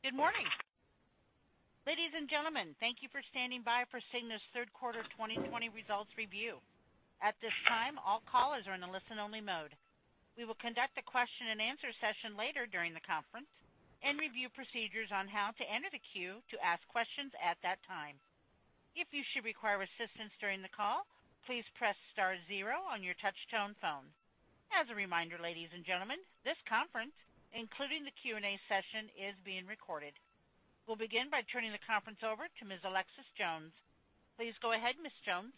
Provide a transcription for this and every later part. Good morning. Ladies and gentlemen, thank you for standing by for Cigna's third quarter 2020 results review. At this time, all callers are in a listen-only mode. We will conduct a question-and-answer session later during the conference and review procedures on how to enter the queue to ask questions at that time. If you should require assistance during the call, please press star zero on your touch-tone phone. As a reminder, ladies and gentlemen, this conference, including the Q&A session, is being recorded. We'll begin by turning the conference over to Ms. Alexis Jones. Please go ahead, Ms. Jones.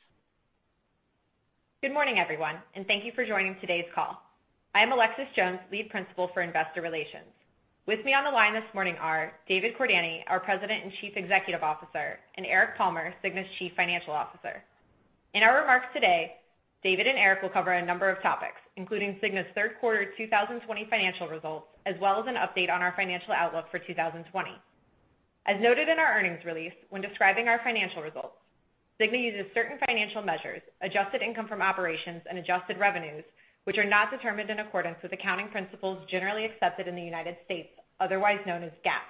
Good morning, everyone. Thank you for joining today's call. I'm Alexis Jones, Lead Principal for Investor Relations. With me on the line this morning are David Cordani, our President and Chief Executive Officer, and Eric Palmer, Cigna's Chief Financial Officer. In our remarks today, David and Eric will cover a number of topics, including Cigna's third quarter 2020 financial results, as well as an update on our financial outlook for 2020. As noted in our earnings release, when describing our financial results, Cigna uses certain financial measures, adjusted income from operations and adjusted revenues, which are not determined in accordance with accounting principles generally accepted in the United States, otherwise known as GAAP.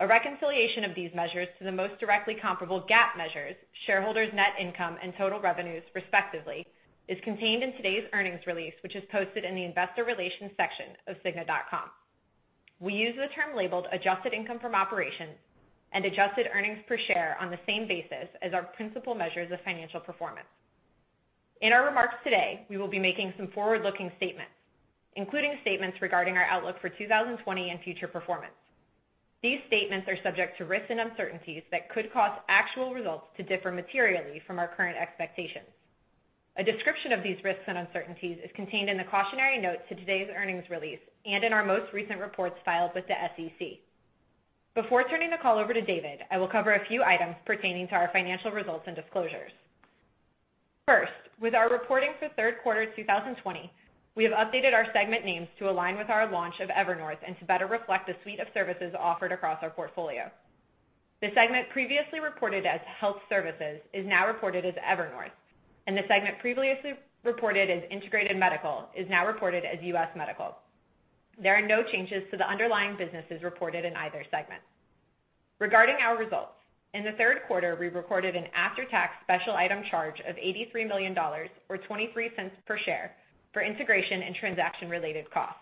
A reconciliation of these measures to the most directly comparable GAAP measures, shareholders' net income and total revenues, respectively, is contained in today's earnings release, which is posted in the investor relations section of cigna.com. We use the term labeled adjusted income from operations and adjusted earnings per share on the same basis as our principal measures of financial performance. In our remarks today, we will be making some forward-looking statements, including statements regarding our outlook for 2020 and future performance. These statements are subject to risks and uncertainties that could cause actual results to differ materially from our current expectations. A description of these risks and uncertainties is contained in the cautionary note to today's earnings release and in our most recent reports filed with the SEC. Before turning the call over to David, I will cover a few items pertaining to our financial results and disclosures. First, with our reporting for third quarter 2020, we have updated our segment names to align with our launch of Evernorth and to better reflect the suite of services offered across our portfolio. The segment previously reported as Health Services is now reported as Evernorth, and the segment previously reported as Integrated Medical is now reported as U.S. Medical. There are no changes to the underlying businesses reported in either segment. Regarding our results, in the third quarter, we recorded an after-tax special item charge of $83 million, or $0.23 per share, for integration and transaction-related costs.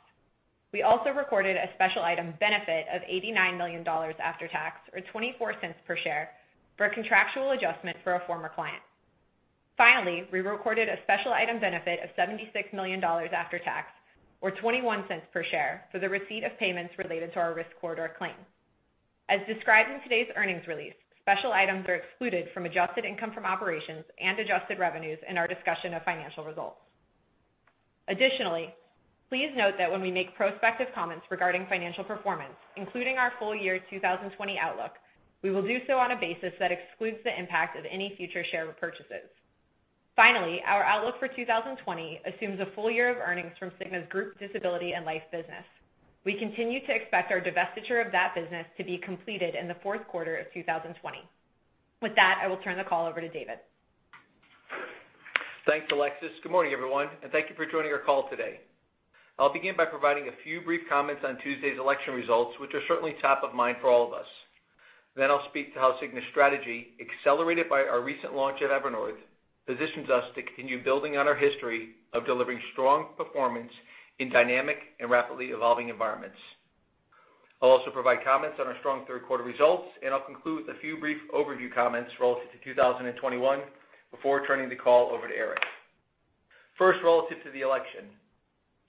We also recorded a special item benefit of $89 million after tax, or $0.24 per share, for a contractual adjustment for a former client. Finally, we recorded a special item benefit of $76 million after tax, or $0.21 per share, for the receipt of payments related to our risk corridor claim. As described in today's earnings release, special items are excluded from adjusted income from operations and adjusted revenues in our discussion of financial results. Additionally, please note that when we make prospective comments regarding financial performance, including our full year 2020 outlook, we will do so on a basis that excludes the impact of any future share repurchases. Finally, our outlook for 2020 assumes a full year of earnings from Cigna's Group Disability and Life business. We continue to expect our divestiture of that business to be completed in the fourth quarter of 2020. With that, I will turn the call over to David. Thanks, Alexis. Good morning, everyone. Thank you for joining our call today. I'll begin by providing a few brief comments on Tuesday's election results, which are certainly top of mind for all of us. I'll speak to how Cigna's strategy, accelerated by our recent launch at Evernorth, positions us to continue building on our history of delivering strong performance in dynamic and rapidly evolving environments. I'll also provide comments on our strong third quarter results. I'll conclude with a few brief overview comments relative to 2021 before turning the call over to Eric. First, relative to the election.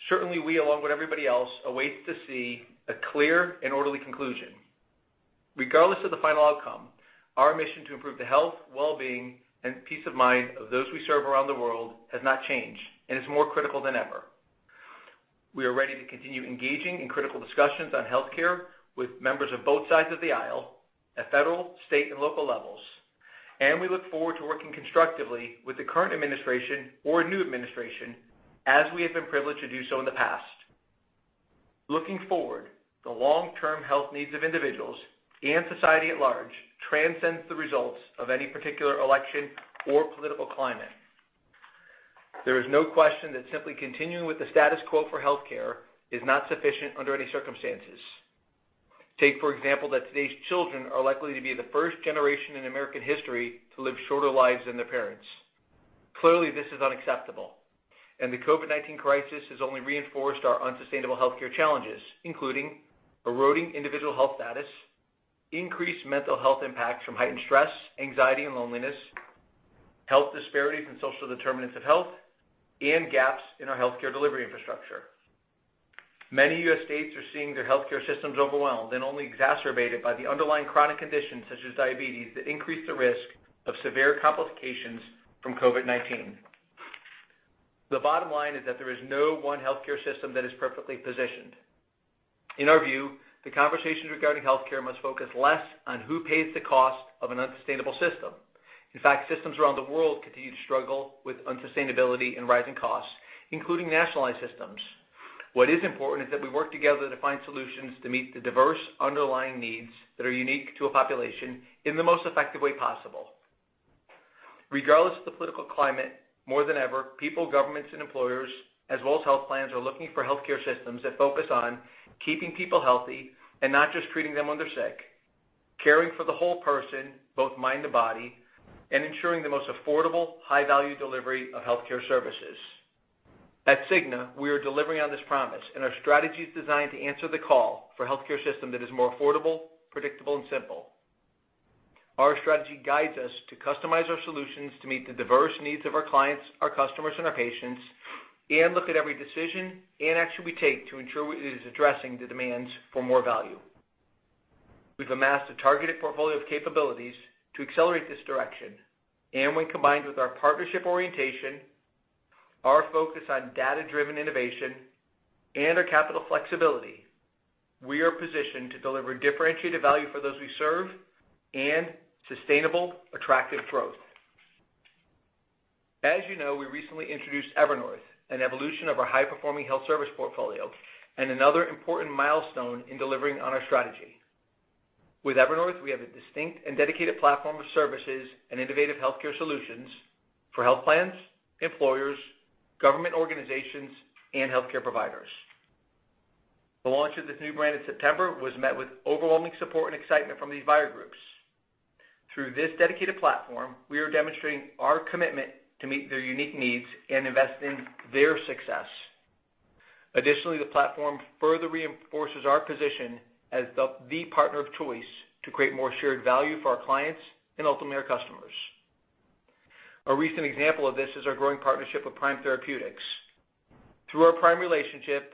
Certainly, we, along with everybody else, await to see a clear and orderly conclusion. Regardless of the final outcome, our mission to improve the health, well-being, and peace of mind of those we serve around the world has not changed and is more critical than ever. We are ready to continue engaging in critical discussions on healthcare with members of both sides of the aisle at federal, state, and local levels, and we look forward to working constructively with the current administration or a new administration, as we have been privileged to do so in the past. Looking forward, the long-term health needs of individuals and society at large transcend the results of any particular election or political climate. There is no question that simply continuing with the status quo for healthcare is not sufficient under any circumstances. Take, for example, that today's children are likely to be the first generation in American history to live shorter lives than their parents. Clearly, this is unacceptable, and the COVID-19 crisis has only reinforced our unsustainable healthcare challenges, including eroding individual health status, increased mental health impacts from heightened stress, anxiety, and loneliness, health disparities and social determinants of health, and gaps in our healthcare delivery infrastructure. Many U.S. states are seeing their healthcare systems overwhelmed and only exacerbated by the underlying chronic conditions, such as diabetes, that increase the risk of severe complications from COVID-19. The bottom line is that there is no one healthcare system that is perfectly positioned. In our view, the conversations regarding healthcare must focus less on who pays the cost of an unsustainable system. In fact, systems around the world continue to struggle with unsustainability and rising costs, including nationalized systems. What is important is that we work together to find solutions to meet the diverse underlying needs that are unique to a population in the most effective way possible. Regardless of the political climate, more than ever, people, governments, and employers, as well as health plans, are looking for healthcare systems that focus on keeping people healthy and not just treating them when they're sick. Caring for the whole person, both mind and body, and ensuring the most affordable, high-value delivery of healthcare services. At Cigna, we are delivering on this promise, and our strategy is designed to answer the call for a healthcare system that is more affordable, predictable, and simple. Our strategy guides us to customize our solutions to meet the diverse needs of our clients, our customers, and our patients, and look at every decision and action we take to ensure it is addressing the demands for more value. We've amassed a targeted portfolio of capabilities to accelerate this direction, and when combined with our partnership orientation, our focus on data-driven innovation, and our capital flexibility, we are positioned to deliver differentiated value for those we serve and sustainable, attractive growth. As you know, we recently introduced Evernorth, an evolution of our high-performing health service portfolio and another important milestone in delivering on our strategy. With Evernorth, we have a distinct and dedicated platform of services and innovative healthcare solutions for health plans, employers, government organizations, and healthcare providers. The launch of this new brand in September was met with overwhelming support and excitement from these buyer groups. Through this dedicated platform, we are demonstrating our commitment to meet their unique needs and invest in their success. Additionally, the platform further reinforces our position as the partner of choice to create more shared value for our clients and ultimately our customers. A recent example of this is our growing partnership with Prime Therapeutics. Through our Prime relationship,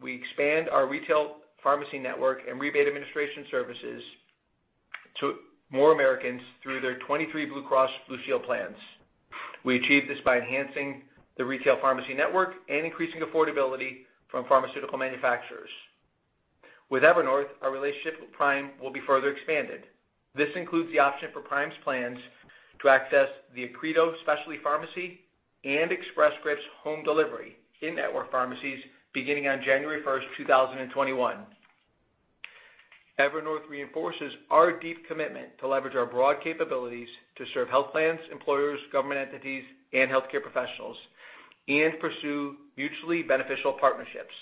we expand our retail pharmacy network and rebate administration services to more Americans through their 23 Blue Cross and Blue Shield Plans. We achieve this by enhancing the retail pharmacy network and increasing affordability from pharmaceutical manufacturers. With Evernorth, our relationship with Prime will be further expanded. This includes the option for Prime's plans to access the Accredo Specialty Pharmacy and Express Scripts Home Delivery in-network pharmacies beginning on January 1st, 2021. Evernorth reinforces our deep commitment to leverage our broad capabilities to serve health plans, employers, government entities, and healthcare professionals and pursue mutually beneficial partnerships.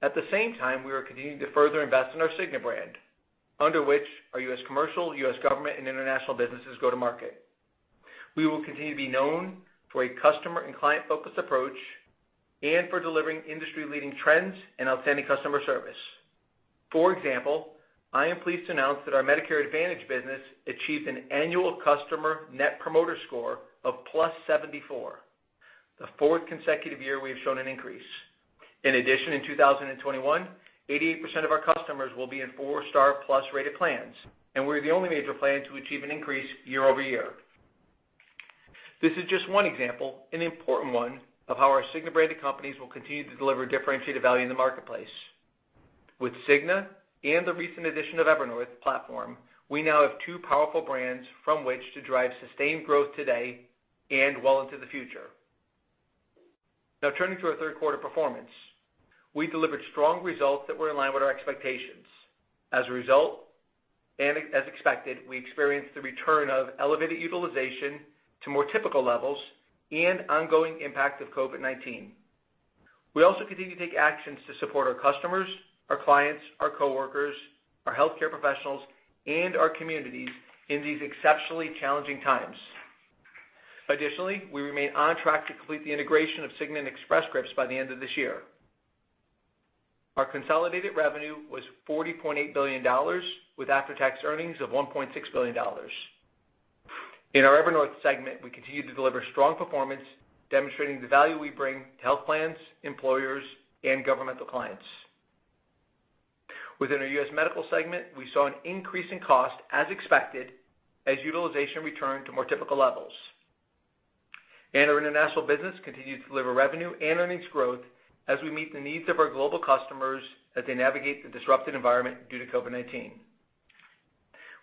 At the same time, we are continuing to further invest in our Cigna brand, under which our U.S. Commercial, U.S. Government, and International Markets businesses go to market. We will continue to be known for a customer and client-focused approach and for delivering industry-leading trends and outstanding customer service. For example, I am pleased to announce that our Medicare Advantage business achieved an annual customer Net Promoter Score of +74, the fourth consecutive year we have shown an increase. In addition, in 2021, 88% of our customers will be in 4-star plus-rated plans, and we're the only major plan to achieve an increase year-over-year. This is just one example, an important one, of how our Cigna-branded companies will continue to deliver differentiated value in the marketplace. With Cigna and the recent addition of Evernorth platform, we now have two powerful brands from which to drive sustained growth today and well into the future. Now, turning to our third quarter performance. We delivered strong results that were in line with our expectations. As a result, and as expected, we experienced the return of elevated utilization to more typical levels and ongoing impact of COVID-19. We also continue to take actions to support our customers, our clients, our coworkers, our healthcare professionals, and our communities in these exceptionally challenging times. Additionally, we remain on track to complete the integration of Cigna and Express Scripts by the end of this year. Our consolidated revenue was $40.8 billion, with after-tax earnings of $1.6 billion. In our Evernorth segment, we continued to deliver strong performance, demonstrating the value we bring to health plans, employers, and governmental clients. Within our U.S. Medical segment, we saw an increase in cost, as expected, as utilization returned to more typical levels. Our International Markets business continued to deliver revenue and earnings growth as we meet the needs of our global customers as they navigate the disrupted environment due to COVID-19.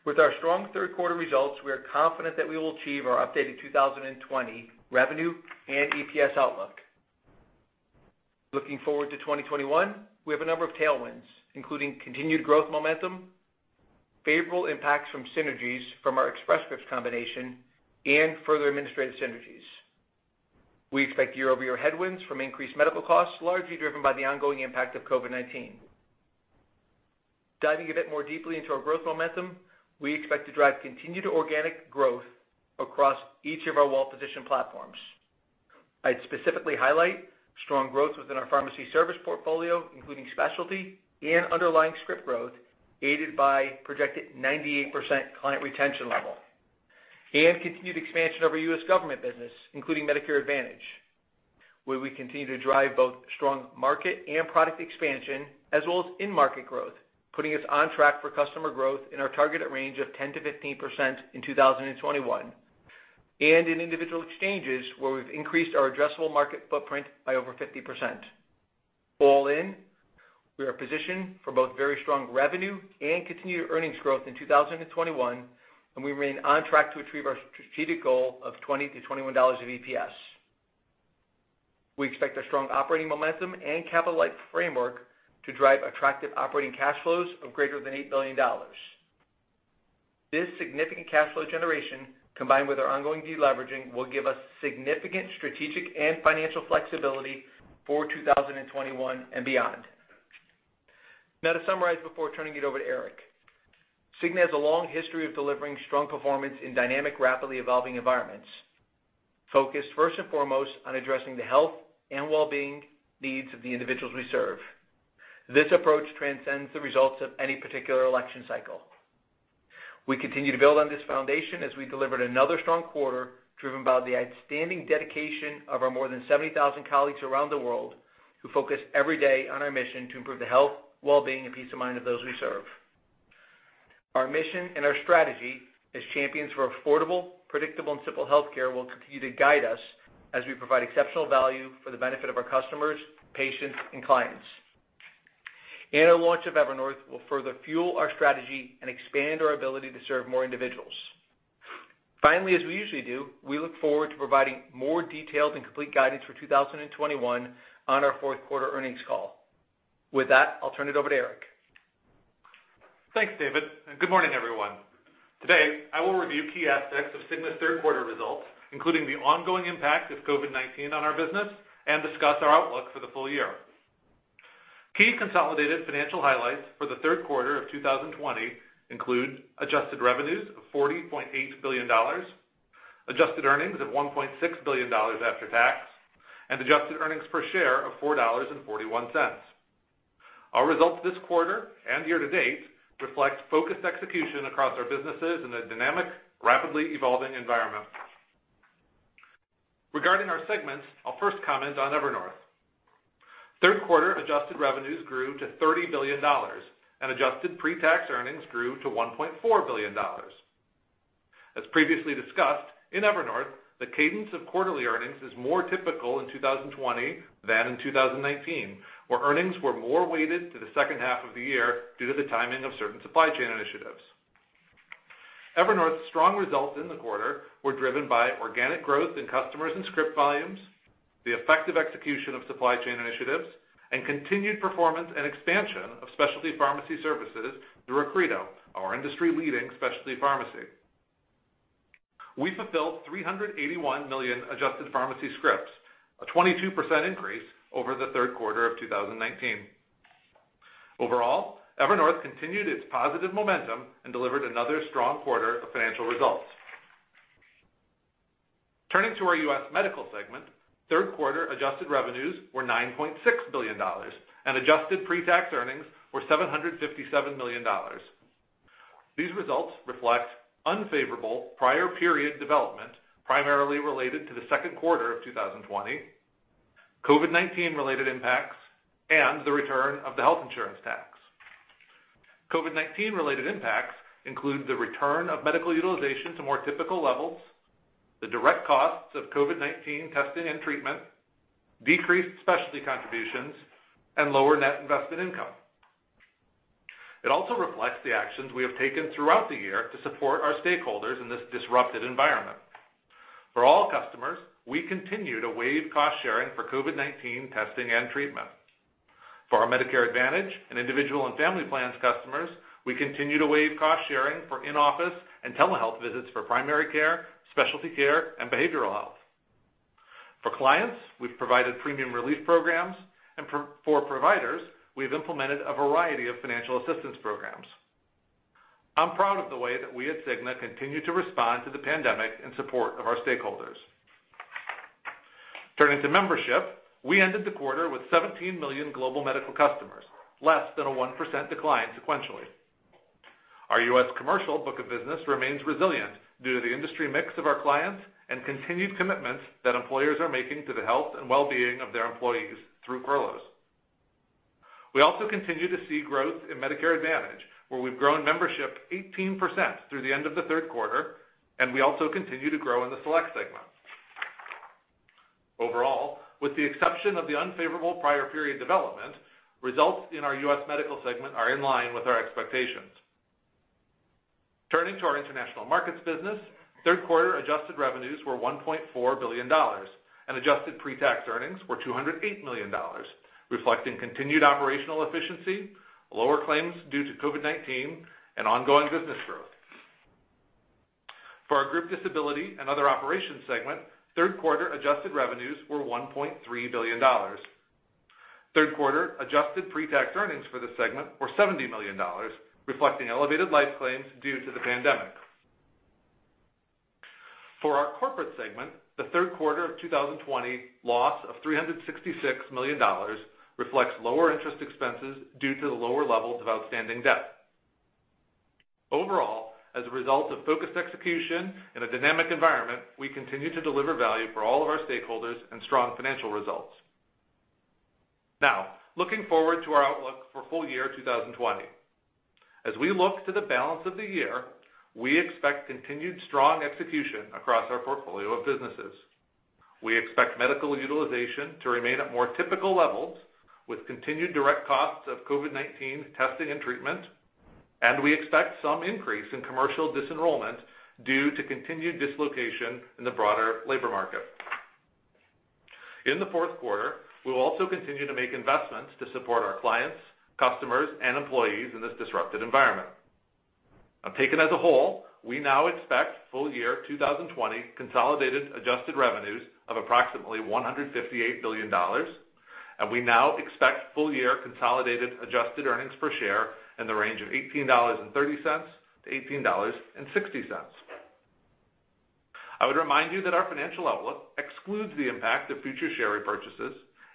With our strong third quarter results, we are confident that we will achieve our updated 2020 revenue and EPS outlook. Looking forward to 2021, we have a number of tailwinds, including continued growth momentum, favorable impacts from synergies from our Express Scripts combination, and further administrative synergies. We expect year-over-year headwinds from increased medical costs, largely driven by the ongoing impact of COVID-19. Diving a bit more deeply into our growth momentum, we expect to drive continued organic growth across each of our well-positioned platforms. I'd specifically highlight strong growth within our pharmacy service portfolio, including specialty and underlying script growth, aided by projected 98% client-retention level, and continued expansion of our U.S. Government business, including Medicare Advantage, where we continue to drive both strong market and product expansion, as well as in-market growth, putting us on track for customer growth in our targeted range of 10%-15% in 2021. In individual exchanges, where we've increased our addressable market footprint by over 50%. All in, we are positioned for both very strong revenue and continued earnings growth in 2021, and we remain on track to achieve our strategic goal of $20-$21 of EPS. We expect our strong operating momentum and capital-light framework to drive attractive operating cash flows of greater than $8 billion. This significant cash flow generation, combined with our ongoing deleveraging, will give us significant strategic and financial flexibility for 2021 and beyond. To summarize before turning it over to Eric. Cigna has a long history of delivering strong performance in dynamic, rapidly evolving environments, focused first and foremost on addressing the health and well-being needs of the individuals we serve. This approach transcends the results of any particular election cycle. We continue to build on this foundation as we delivered another strong quarter, driven by the outstanding dedication of our more than 70,000 colleagues around the world, who focus every day on our mission to improve the health, well-being, and peace of mind of those we serve. Our mission and our strategy as champions for affordable, predictable, and simple healthcare will continue to guide us as we provide exceptional value for the benefit of our customers, patients, and clients. Our launch of Evernorth will further fuel our strategy and expand our ability to serve more individuals. Finally, as we usually do, we look forward to providing more detailed and complete guidance for 2021 on our fourth quarter earnings call. With that, I'll turn it over to Eric. Thanks, David, and good morning, everyone. Today, I will review key aspects of Cigna's third quarter results, including the ongoing impact of COVID-19 on our business, and discuss our outlook for the full year. Key consolidated financial highlights for the third quarter of 2020 include adjusted revenues of $40.8 billion, adjusted earnings of $1.6 billion after tax, and adjusted earnings per share of $4.41. Our results this quarter and year to date reflect focused execution across our businesses in a dynamic, rapidly evolving environment. Regarding our segments, I'll first comment on Evernorth. Third quarter adjusted revenues grew to $30 billion, and adjusted pre-tax earnings grew to $1.4 billion. As previously discussed, in Evernorth, the cadence of quarterly earnings is more typical in 2020 than in 2019, where earnings were more weighted to the second half of the year due to the timing of certain supply chain initiatives. Evernorth's strong results in the quarter were driven by organic growth in customers and script volumes, the effective execution of supply chain initiatives, and continued performance and expansion of specialty pharmacy services through Accredo, our industry-leading specialty pharmacy. We fulfilled 381 million adjusted pharmacy scripts, a 22% increase over the third quarter of 2019. Overall, Evernorth continued its positive momentum and delivered another strong quarter of financial results. Turning to our U.S. Medical segment, third quarter adjusted revenues were $9.6 billion and adjusted pre-tax earnings were $757 million. These results reflect unfavorable prior period development, primarily related to the second quarter of 2020, COVID-19-related impacts, and the return of the health insurance tax. COVID-19-related impacts include the return of medical utilization to more typical levels, the direct costs of COVID-19 testing and treatment, decreased specialty contributions, and lower net investment income. It also reflects the actions we have taken throughout the year to support our stakeholders in this disrupted environment. For all customers, we continue to waive cost-sharing for COVID-19 testing and treatment. For our Medicare Advantage and Individual and Family Plan customers, we continue to waive cost-sharing for in-office and telehealth visits for primary care, specialty care, and behavioral health. For clients, we've provided premium relief programs, and for providers, we've implemented a variety of financial assistance programs. I'm proud of the way that we at Cigna continue to respond to the pandemic in support of our stakeholders. Turning to membership, we ended the quarter with 17 million global medical customers, less than a 1% decline sequentially. Our U.S. Commercial book of business remains resilient due to the industry mix of our clients and continued commitments that employers are making to the health and well-being of their employees through furloughs. We also continue to see growth in Medicare Advantage, where we've grown membership 18% through the end of the third quarter, and we also continue to grow in the select segment. Overall, with the exception of the unfavorable prior period development, results in our U.S. Medical segment are in line with our expectations. Turning to our International Markets business, third quarter adjusted revenues were $1.4 billion and adjusted pre-tax earnings were $208 million, reflecting continued operational efficiency, lower claims due to COVID-19, and ongoing business growth. For our Group Disability and Other Operations segment, third quarter adjusted revenues were $1.3 billion. Third quarter adjusted pre-tax earnings for this segment were $70 million, reflecting elevated life claims due to the pandemic. For our Corporate segment, the third quarter of 2020 loss of $366 million reflects lower interest expenses due to the lower levels of outstanding debt. Overall, as a result of focused execution in a dynamic environment, we continue to deliver value for all of our stakeholders and strong financial results. Looking forward to our outlook for full year 2020. As we look to the balance of the year, we expect continued strong execution across our portfolio of businesses. We expect medical utilization to remain at more typical levels with continued direct costs of COVID-19 testing and treatment. We expect some increase in commercial disenrollment due to continued dislocation in the broader labor market. In the fourth quarter, we will also continue to make investments to support our clients, customers, and employees in this disrupted environment. Taken as a whole, we now expect full year 2020 consolidated adjusted revenues of approximately $158 billion, and we now expect full year consolidated adjusted earnings per share in the range of $18.30-$18.60. I would remind you that our financial outlook excludes the impact of future share repurchases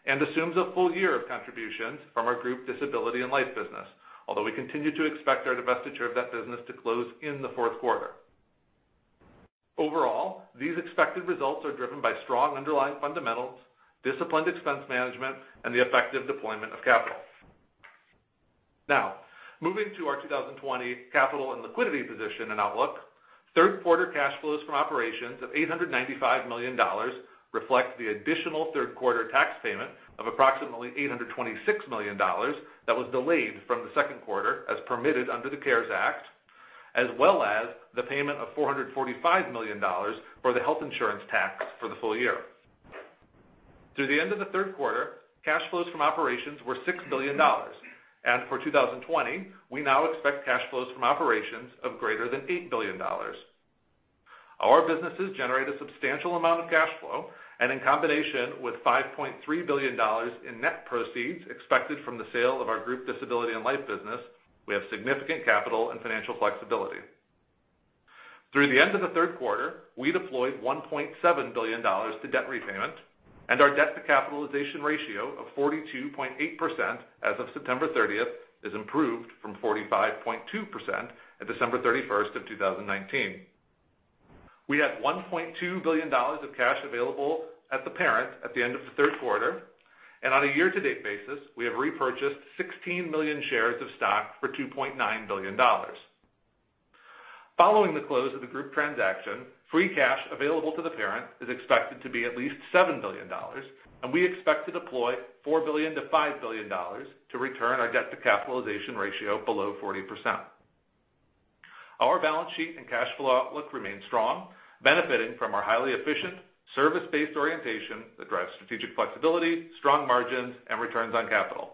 and assumes a full year of contributions from our Group Disability and Life business, although we continue to expect our divestiture of that business to close in the fourth quarter. Overall, these expected results are driven by strong underlying fundamentals, disciplined expense management, and the effective deployment of capital. Now, moving to our 2020 capital and liquidity position and outlook, third quarter cash flows from operations of $895 million reflect the additional third quarter tax payment of approximately $826 million that was delayed from the second quarter as permitted under the CARES Act, as well as the payment of $445 million for the health insurance tax for the full year. Through the end of the third quarter, cash flows from operations were $6 billion. For 2020, we now expect cash flows from operations of greater than $8 billion. Our businesses generate a substantial amount of cash flow. In combination with $5.3 billion in net proceeds expected from the sale of our Group Disability and Life business, we have significant capital and financial flexibility. Through the end of the third quarter, we deployed $1.7 billion to debt repayment, and our debt to capitalization ratio of 42.8% as of September 30th is improved from 45.2% at December 31st of 2019. We had $1.2 billion of cash available at the parent at the end of the third quarter. On a year-to-date basis, we have repurchased 16 million shares of stock for $2.9 billion. Following the close of the group transaction, free cash available to the parent is expected to be at least $7 billion. We expect to deploy $4 billion-$5 billion to return our debt to capitalization ratio below 40%. Our balance sheet and cash flow outlook remain strong, benefiting from our highly efficient service-based orientation that drives strategic flexibility, strong margins, and returns on capital.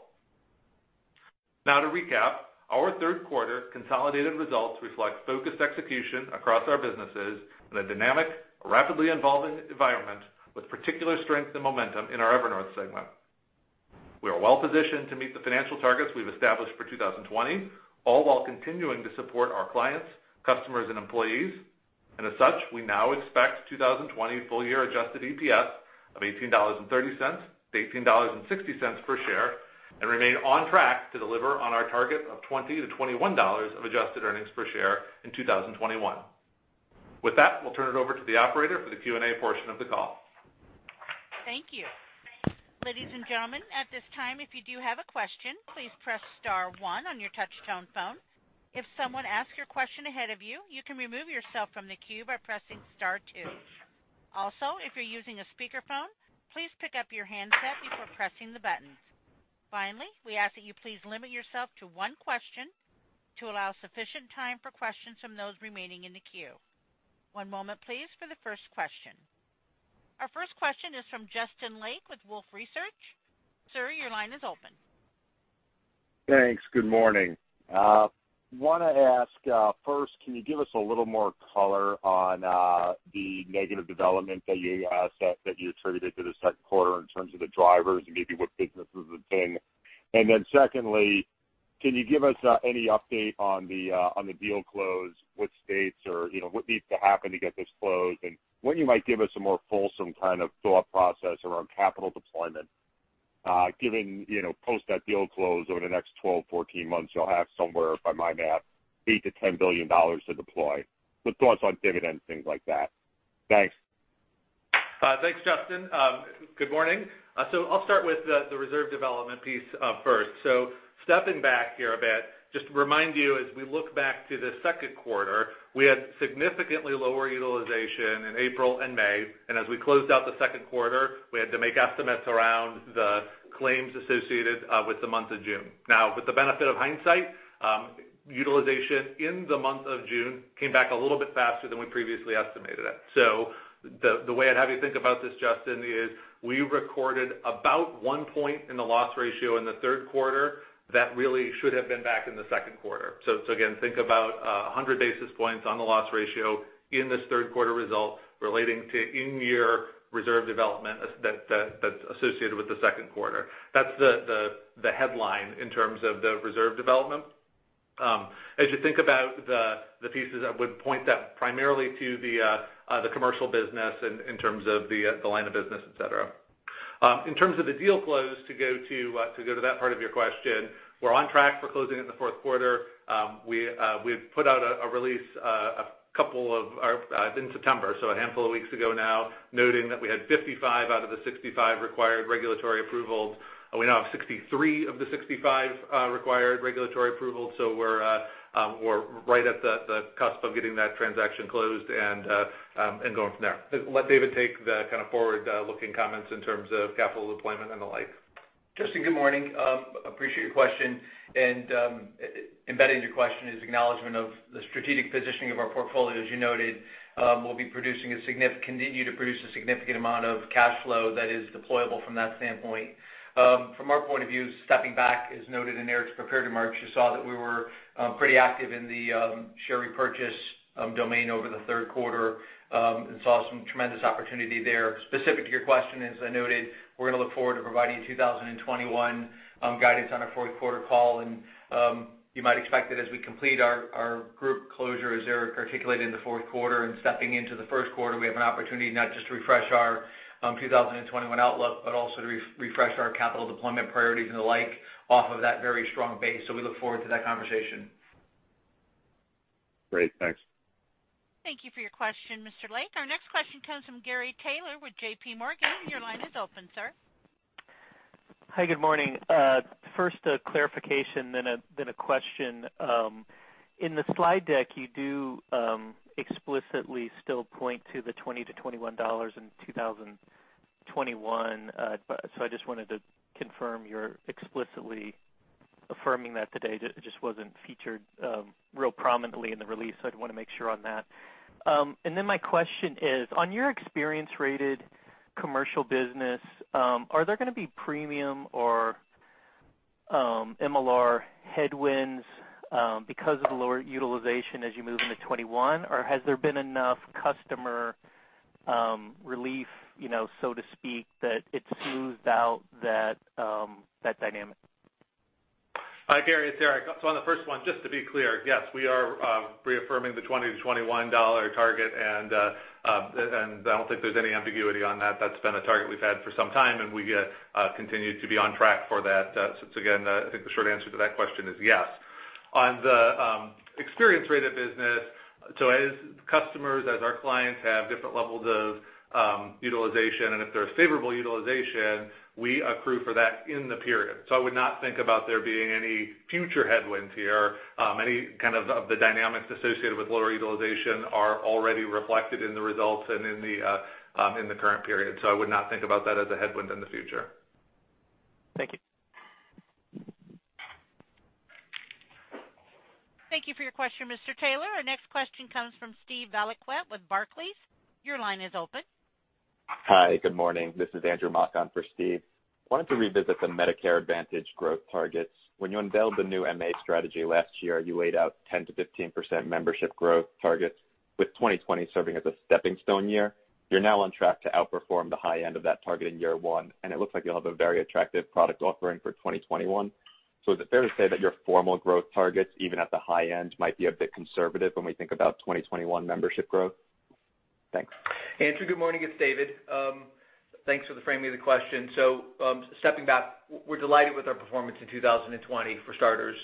To recap, our third quarter consolidated results reflect focused execution across our businesses in a dynamic, rapidly evolving environment with particular strength and momentum in our Evernorth segment. We are well-positioned to meet the financial targets we've established for 2020, all while continuing to support our clients, customers and employees. As such, we now expect 2020 full year adjusted EPS of $18.30-$18.60 per share, and remain on track to deliver on our target of $20-$21 of adjusted earnings per share in 2021. With that, we'll turn it over to the operator for the Q&A portion of the call. Thank you. Ladies and gentlemen, at this time, if you do have a question, please press star one on your touch-tone phone. If someone asks your question ahead of you can remove yourself from the queue by pressing star two. Also, if you're using a speakerphone, please pick up your handset before pressing the buttons. Finally, we ask that you please limit yourself to one question to allow sufficient time for questions from those remaining in the queue. One moment, please for the first question. Our first question is from Justin Lake with Wolfe Research. Sir, your line is open. Thanks. Good morning. Want to ask first, can you give us a little more color on the negative development that you attributed to the second quarter in terms of the drivers, and maybe what businesses it's in? Secondly, can you give us any update on the deal close, what states or what needs to happen to get this closed and when you might give us a more fulsome kind of thought process around capital deployment? Given post that deal close over the next 12, 14 months, you'll have somewhere by my math, $8 billion-$10 billion to deploy with thoughts on dividends, things like that? Thanks. Thanks, Justin. Good morning. I'll start with the reserve development piece first. Stepping back here a bit, just to remind you, as we look back to the second quarter, we had significantly lower utilization in April and May, and as we closed out the second quarter, we had to make estimates around the claims associated with the month of June. Now, with the benefit of hindsight, utilization in the month of June came back a little bit faster than we previously estimated it. The way I'd have you think about this, Justin, is we recorded about one point in the loss ratio in the third quarter that really should have been back in the second quarter. Again, think about 100 basis points on the loss ratio in this third quarter result relating to in-year reserve development that's associated with the second quarter. That's the headline in terms of the reserve development. As you think about the pieces, I would point that primarily to the commercial business in terms of the line of business, et cetera. In terms of the deal close, to go to that part of your question, we're on track for closing it in the fourth quarter. We've put out a release in September, so a handful of weeks ago now, noting that we had 55 out of the 65 required regulatory approvals. We now have 63 of the 65 required regulatory approvals. We're right at the cusp of getting that transaction closed and going from there. Let David take the kind of forward-looking comments in terms of capital deployment and the like. Justin, good morning. Appreciate your question. Embedded in your question is acknowledgment of the strategic positioning of our portfolio. As you noted, we'll continue to produce a significant amount of cash flow that is deployable from that standpoint. From our point of view, stepping back, as noted in Eric's prepared remarks, you saw that we were pretty active in the share repurchase domain over the third quarter, and saw some tremendous opportunity there. Specific to your question, as I noted, we're going to look forward to providing 2021 guidance on our fourth quarter call. You might expect that as we complete our group closure, as Eric articulated, in the fourth quarter and stepping into the first quarter, we have an opportunity not just to refresh our 2021 outlook, but also to refresh our capital deployment priorities and the like off of that very strong base. We look forward to that conversation. Great. Thanks. Thank you for your question, Mr. Lake. Our next question comes from Gary Taylor with JPMorgan. Your line is open, sir. Hi, good morning. First, a clarification, then a question. In the slide deck, you do explicitly still point to the $20-$21 in 2021. I just wanted to confirm you're explicitly affirming that today. It just wasn't featured real prominently in the release, so I want to make sure on that. My question is, on your experience-rated commercial business, are there going to be premium or MLR headwinds because of the lower utilization as you move into 2021? Or has there been enough customer relief, so to speak, that it smoothed out that dynamic? Hi, Gary, it's Eric. On the first one, just to be clear, yes, we are reaffirming the $20-$21 target, and I don't think there's any ambiguity on that. That's been a target we've had for some time, and we continue to be on track for that. Again, I think the short answer to that question is yes. On the experience-rated business, so as customers, as our clients, have different levels of utilization, and if there's favorable utilization, we accrue for that in the period. I would not think about there being any future headwinds here. Any kind of the dynamics associated with lower utilization are already reflected in the results and in the current period. I would not think about that as a headwind in the future. Thank you. Thank you for your question, Mr. Taylor. Our next question comes from Steve Valiquette with Barclays. Your line is open. Hi, good morning. This is Andrew Mok for Steve. Wanted to revisit the Medicare Advantage growth targets. When you unveiled the new MA strategy last year, you laid out 10%-15% membership growth targets, with 2020 serving as a stepping-stone year. You're now on track to outperform the high end of that target in year one. It looks like you'll have a very attractive product offering for 2021. Is it fair to say that your formal growth targets, even at the high end, might be a bit conservative when we think about 2021 membership growth? Thanks. Andrew, good morning. It's David. Thanks for the framing of the question. Stepping back, we're delighted with our performance in 2020, for starters.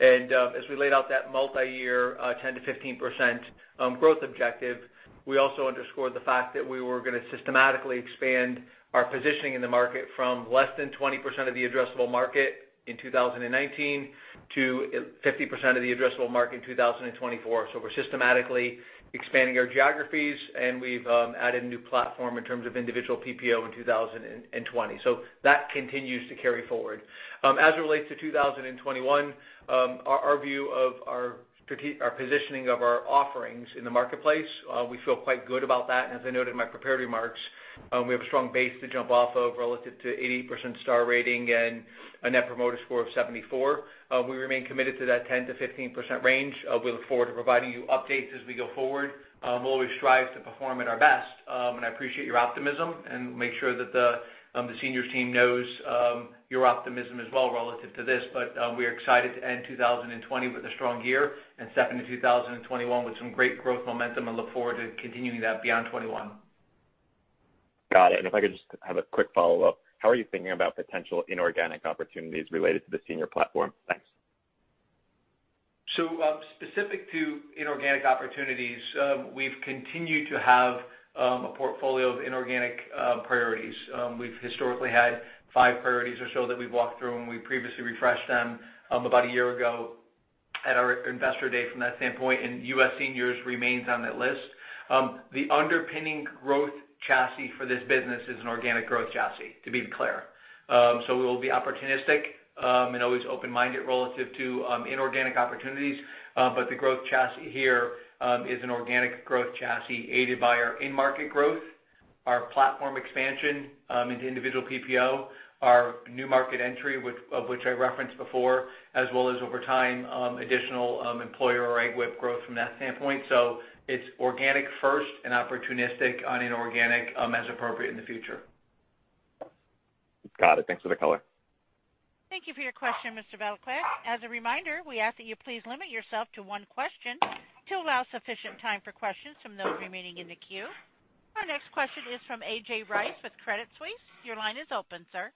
As we laid out that multi-year, 10%-15% growth objective, we also underscored the fact that we were going to systematically expand our positioning in the market from less than 20% of the addressable market in 2019 to 50% of the addressable market in 2024. We're systematically expanding our geographies, and we've added a new platform in terms of individual PPOs in 2020. That continues to carry forward. As it relates to 2021, our view of our positioning of our offerings in the marketplace, we feel quite good about that. As I noted in my prepared remarks, we have a strong base to jump off of relative to 80% star rating and a Net Promoter Score of +74. We remain committed to that 10%-15% range. We look forward to providing you updates as we go forward. We'll always strive to perform at our best. I appreciate your optimism. We'll make sure that the seniors team knows your optimism as well relative to this. We're excited to end 2020 with a strong year and step into 2021 with some great growth momentum, and look forward to continuing that beyond 2021. Got it. If I could just have a quick follow-up. How are you thinking about potential inorganic opportunities related to the senior platform? Thanks. Specific to inorganic opportunities, we've continued to have a portfolio of inorganic priorities. We've historically had five priorities or so that we've walked through, and we previously refreshed them about a year ago at our Investor Day from that standpoint, and U.S. Seniors remains on that list. The underpinning growth chassis for this business is an organic growth chassis, to be clear. We will be opportunistic and always open-minded relative to inorganic opportunities. The growth chassis here is an organic growth chassis aided by our in-market growth, our platform expansion into Individual PPO, our new market entry, of which I referenced before, as well as over time, additional employer or EGWP growth from that standpoint. It's organic first and opportunistic on inorganic as appropriate in the future. Got it. Thanks for the color. Thank you for your question, Mr. Valiquette. As a reminder, we ask that you please limit yourself to one question to allow sufficient time for questions from those remaining in the queue. Our next question is from A.J. Rice with Credit Suisse. Your line is open, sir.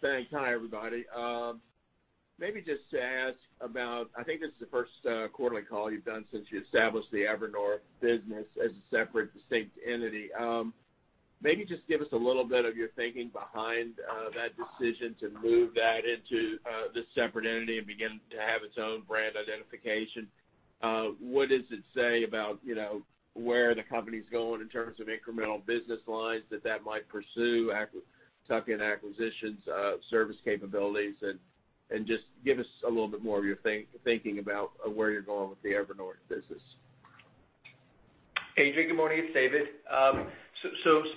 Thanks. Hi, everybody. Maybe just to ask about, I think this is the first quarterly call you've done since you established the Evernorth business as a separate, distinct entity. Maybe just give us a little bit of your thinking behind that decision to move that into this separate entity and begin to have its own brand identification. What does it say about where the company's going in terms of incremental business lines that that might pursue tuck-in acquisitions, service capabilities? Just give us a little bit more of your thinking about where you're going with the Evernorth business. A.J., good morning, it's David.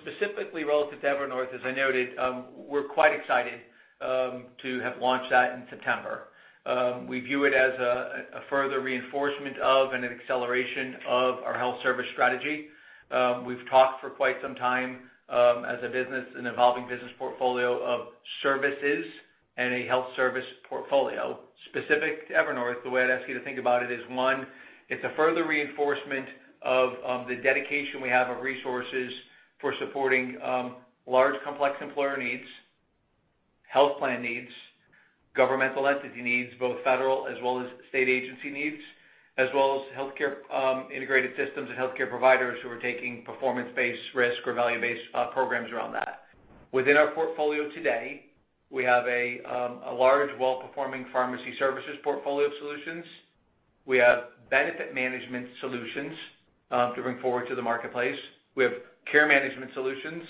Specifically, relative to Evernorth, as I noted, we're quite excited to have launched that in September. We view it as a further reinforcement of and an acceleration of our health service strategy. We've talked for quite some time as a business, an evolving business portfolio of services and a health service portfolio. Specific to Evernorth, the way I'd ask you to think about it is, one, it's a further reinforcement of the dedication we have of resources for supporting large complex employer needs, health plan needs, governmental entity needs, both federal as well as state agency needs, as well as healthcare integrated systems and healthcare providers who are taking performance-based risk or value-based programs around that. Within our portfolio today, we have a large, well-performing pharmacy services portfolio of solutions. We have benefit management solutions to bring forward to the marketplace. We have care management solutions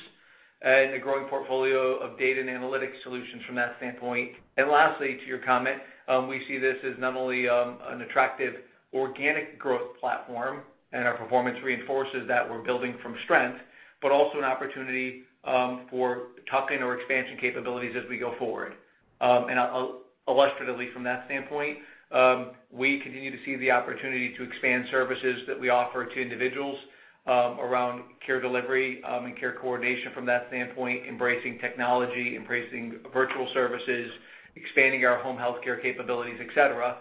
and a growing portfolio of data and analytics solutions from that standpoint. Lastly, to your comment, we see this as not only an attractive organic growth platform, and our performance reinforces that we're building from strength, but also an opportunity for tuck-in or expansion capabilities as we go forward. Illustratively, from that standpoint, we continue to see the opportunity to expand services that we offer to individuals around care delivery and care coordination from that standpoint, embracing technology, embracing virtual services, expanding our home healthcare capabilities, et cetera.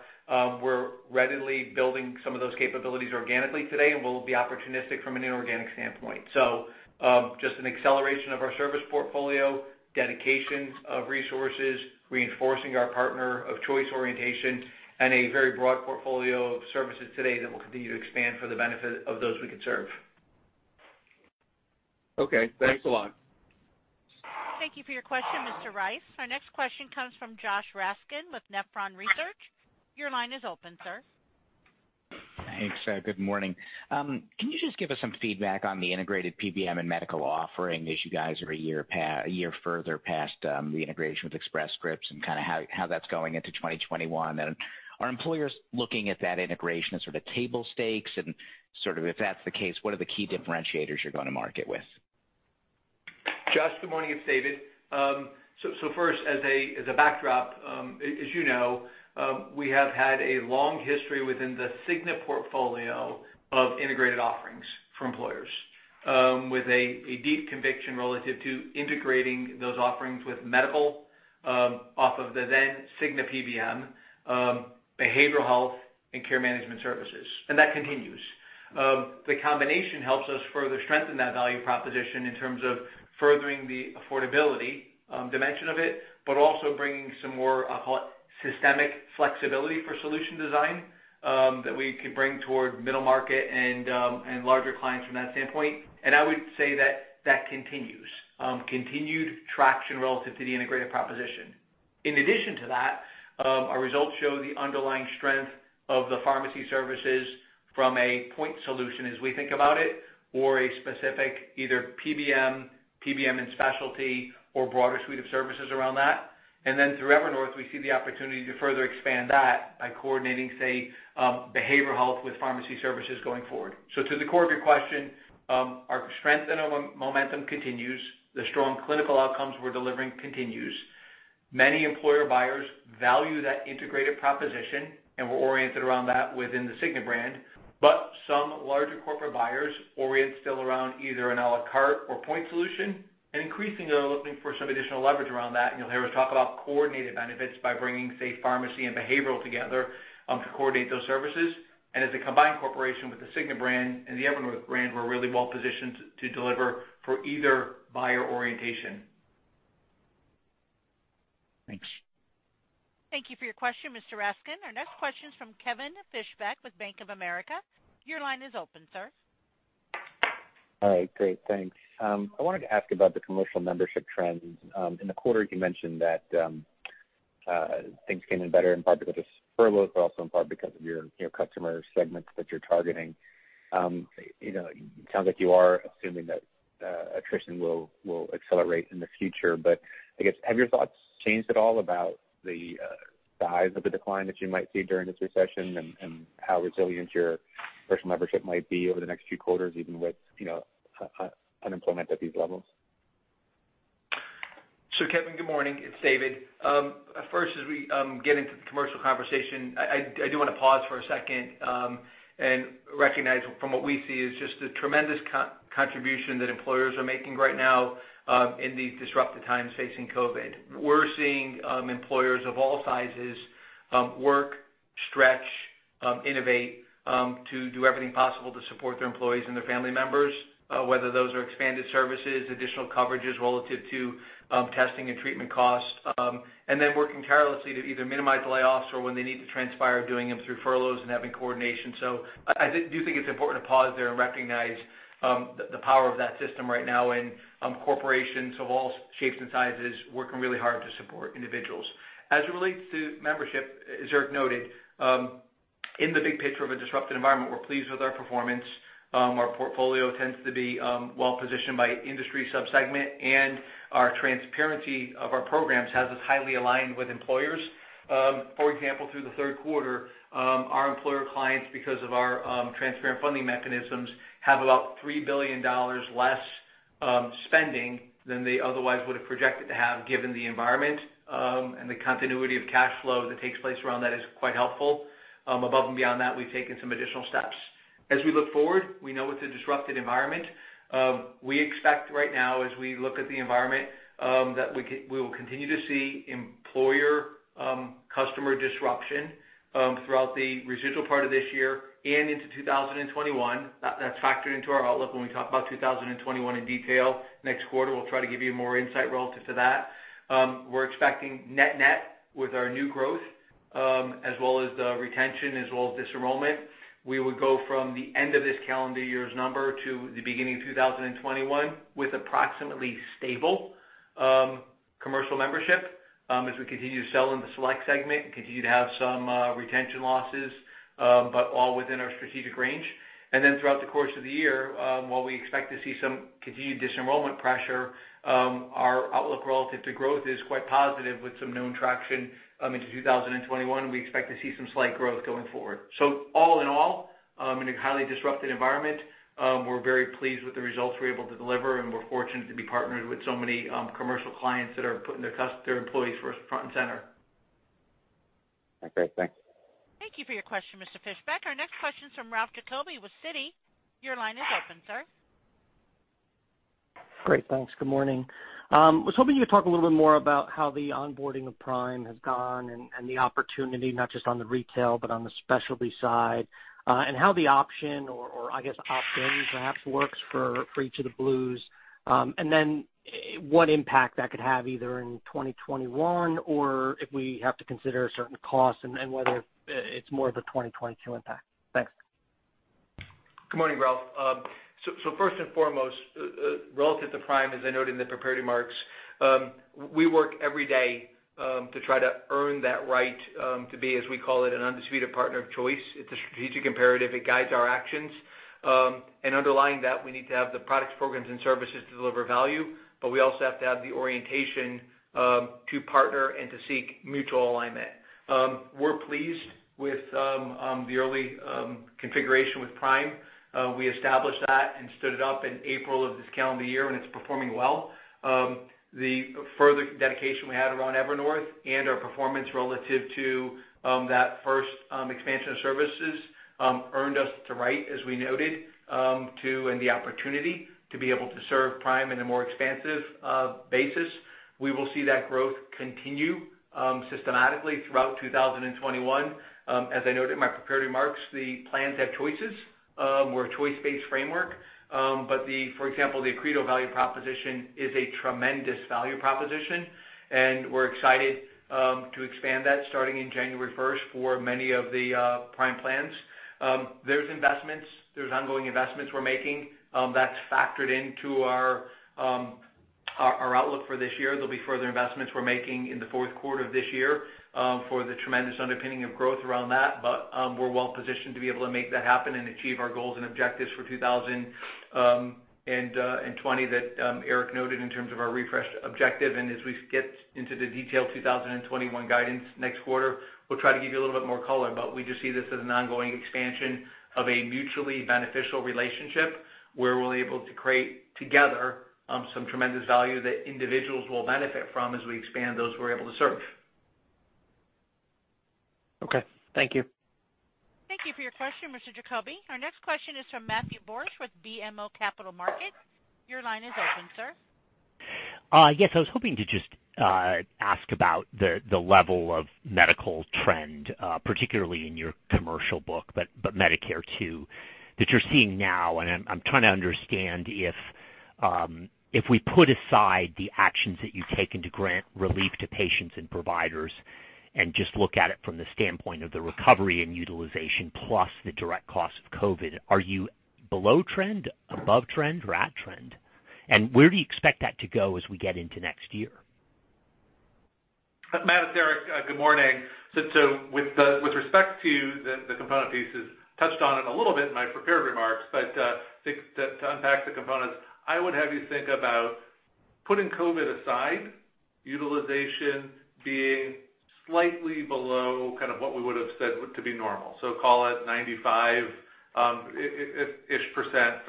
We're readily building some of those capabilities organically today, and we'll be opportunistic from an inorganic standpoint. Just an acceleration of our service portfolio, dedication of resources, reinforcing our partner of choice orientation, and a very broad portfolio of services today that will continue to expand for the benefit of those we can serve. Okay, thanks a lot. Thank you for your question, Mr. Rice. Our next question comes from Josh Raskin with Nephron Research. Your line is open, sir. Thanks. Good morning. Can you just give us some feedback on the integrated PBM and medical offering, as you guys are a year further past the integration with Express Scripts, and how that's going into 2021? Are employers looking at that integration as sort of table stakes, and if that's the case, what are the key differentiators you're going to market with? Josh, good morning. It's David. First, as a backdrop, as you know, we have had a long history within the Cigna portfolio of integrated offerings for employers, with a deep conviction relative to integrating those offerings with medical off of the then Cigna PBM, behavioral health, and care management services, and that continues. The combination helps us further strengthen that value proposition in terms of furthering the affordability dimension of it, also bringing some more, I'll call it, systemic flexibility for solution design that we can bring toward middle market and larger clients from that standpoint. I would say that that continues. Continued traction relative to the integrated proposition. In addition to that, our results show the underlying strength of the pharmacy services from a point solution, as we think about it, or a specific either PBM and specialty, or broader suite of services around that. Through Evernorth, we see the opportunity to further expand that by coordinating, say, behavioral health with pharmacy services going forward. To the core of your question, our strength and our momentum continues. The strong clinical outcomes we're delivering continues. Many employer buyers value that integrated proposition, and we're oriented around that within the Cigna brand. Some larger corporate buyers orient still around either an à la carte or point solution, and increasingly are looking for some additional leverage around that, and you'll hear us talk about coordinated benefits by bringing, say, pharmacy and behavioral together to coordinate those services. As a combined corporation with the Cigna brand and the Evernorth brand, we're really well-positioned to deliver for either buyer orientation. Thanks. Thank you for your question, Mr. Raskin. Our next question is from Kevin Fischbeck with Bank of America. Your line is open, sir. All right. Great, thanks. I wanted to ask about the commercial membership trends. In the quarter, you mentioned that things came in better in part because of furloughs, but also in part because of your customer segments that you're targeting. It sounds like you are assuming that attrition will accelerate in the future. I guess, have your thoughts changed at all about the size of the decline that you might see during this recession, and how resilient your personal membership might be over the next few quarters, even with unemployment at these levels? Kevin, good morning. It's David. First, as we get into the commercial conversation, I do want to pause for a second and recognize from what we see is just the tremendous contribution that employers are making right now in these disruptive times facing COVID-19. We're seeing employers of all sizes work, stretch, innovate, to do everything possible to support their employees and their family members, whether those are expanded services, additional coverages relative to testing and treatment costs. Working tirelessly to either minimize layoffs or, when they need to transpire, doing them through furloughs and having coordination. I do think it's important to pause there and recognize the power of that system right now, and corporations of all shapes and sizes working really hard to support individuals. As it relates to membership, as Eric noted, in the big picture of a disrupted environment, we're pleased with our performance. Our portfolio tends to be well-positioned by industry sub-segment, and our transparency of our programs has us highly aligned with employers. For example, through the third quarter, our employer clients, because of our transparent funding mechanisms, have about $3 billion less spending than they otherwise would have projected to have, given the environment. The continuity of cash flow that takes place around that is quite helpful. Above and beyond that, we've taken some additional steps. As we look forward, we know it's a disrupted environment. We expect right now, as we look at the environment, that we will continue to see employer-customer disruption throughout the residual part of this year and into 2021. That's factored into our outlook when we talk about 2021 in detail. Next quarter, we'll try to give you more insight relative to that. We're expecting net net with our new growth, as well as the retention, as well as disenrollment. We would go from the end of this calendar year's number to the beginning of 2021 with approximately stable commercial membership, as we continue to sell in the select segment and continue to have some retention losses, but all within our strategic range. Throughout the course of the year, while we expect to see some continued disenrollment pressure, our outlook relative to growth is quite positive, with some known traction into 2021. We expect to see some slight growth going forward. All in all, in a highly disrupted environment, we're very pleased with the results we're able to deliver, and we're fortunate to be partnered with so many commercial clients that are putting their employees front and center. Okay, thanks. Thank you for your question, Mr. Fischbeck. Our next question's from Ralph Giacobbe with Citi. Your line is open, sir. Great. Thanks. Good morning. I was hoping you could talk a little bit more about how the onboarding of Prime has gone and the opportunity, not just on the retail, but on the specialty side, and how the option, or I guess opt-in perhaps, works for each of the Blues. What impact that could have either in 2021 or if we have to consider certain costs and whether it's more of a 2022 impact? Thanks. Good morning, Ralph. First and foremost, relative to Prime, as I noted in the prepared remarks, we work every day to try to earn that right to be, as we call it, an undisputed partner of choice. It's a strategic imperative. It guides our actions. Underlying that, we need to have the products, programs, and services to deliver value, but we also have to have the orientation to partner and to seek mutual alignment. We're pleased with the early configuration with Prime. We established that and stood it up in April of this calendar year, and it's performing well. The further dedication we had around Evernorth and our performance relative to that first expansion of services earned us the right, as we noted, and the opportunity to be able to serve Prime in a more expansive basis. We will see that growth continue systematically throughout 2021. As I noted in my prepared remarks, the plans have choices. We're a choice-based framework. For example, the Accredo value proposition is a tremendous value proposition, and we're excited to expand that starting in January 1st for many of the Prime plans. There's ongoing investments we're making. That's factored into our outlook for this year. There'll be further investments we're making in the fourth quarter of this year for the tremendous underpinning of growth around that. We're well-positioned to be able to make that happen and achieve our goals and objectives for 2020 that Eric noted in terms of our refreshed objective. As we get into the detailed 2021 guidance next quarter, we'll try to give you a little bit more color. We just see this as an ongoing expansion of a mutually beneficial relationship where we're able to create together some tremendous value that individuals will benefit from as we expand those we're able to serve. Okay. Thank you. Thank you for your question, Mr. Giacobbe. Our next question is from Matthew Borsch with BMO Capital Markets. Your line is open, sir. Yes, I was hoping to just ask about the level of medical trend, particularly in your commercial book, but Medicare too, that you're seeing now. I'm trying to understand if we put aside the actions that you've taken to grant relief to patients and providers, and just look at it from the standpoint of the recovery and utilization, plus the direct cost of COVID, are you below trend, above trend, or at trend? Where do you expect that to go as we get into next year? Matt, it's Eric. Good morning. With respect to the component pieces touched on it a little bit in my prepared remarks, but to unpack the components, I would have you think about putting COVID aside, utilization being slightly below kind of what we would have said to be normal. Call it 95%-ish for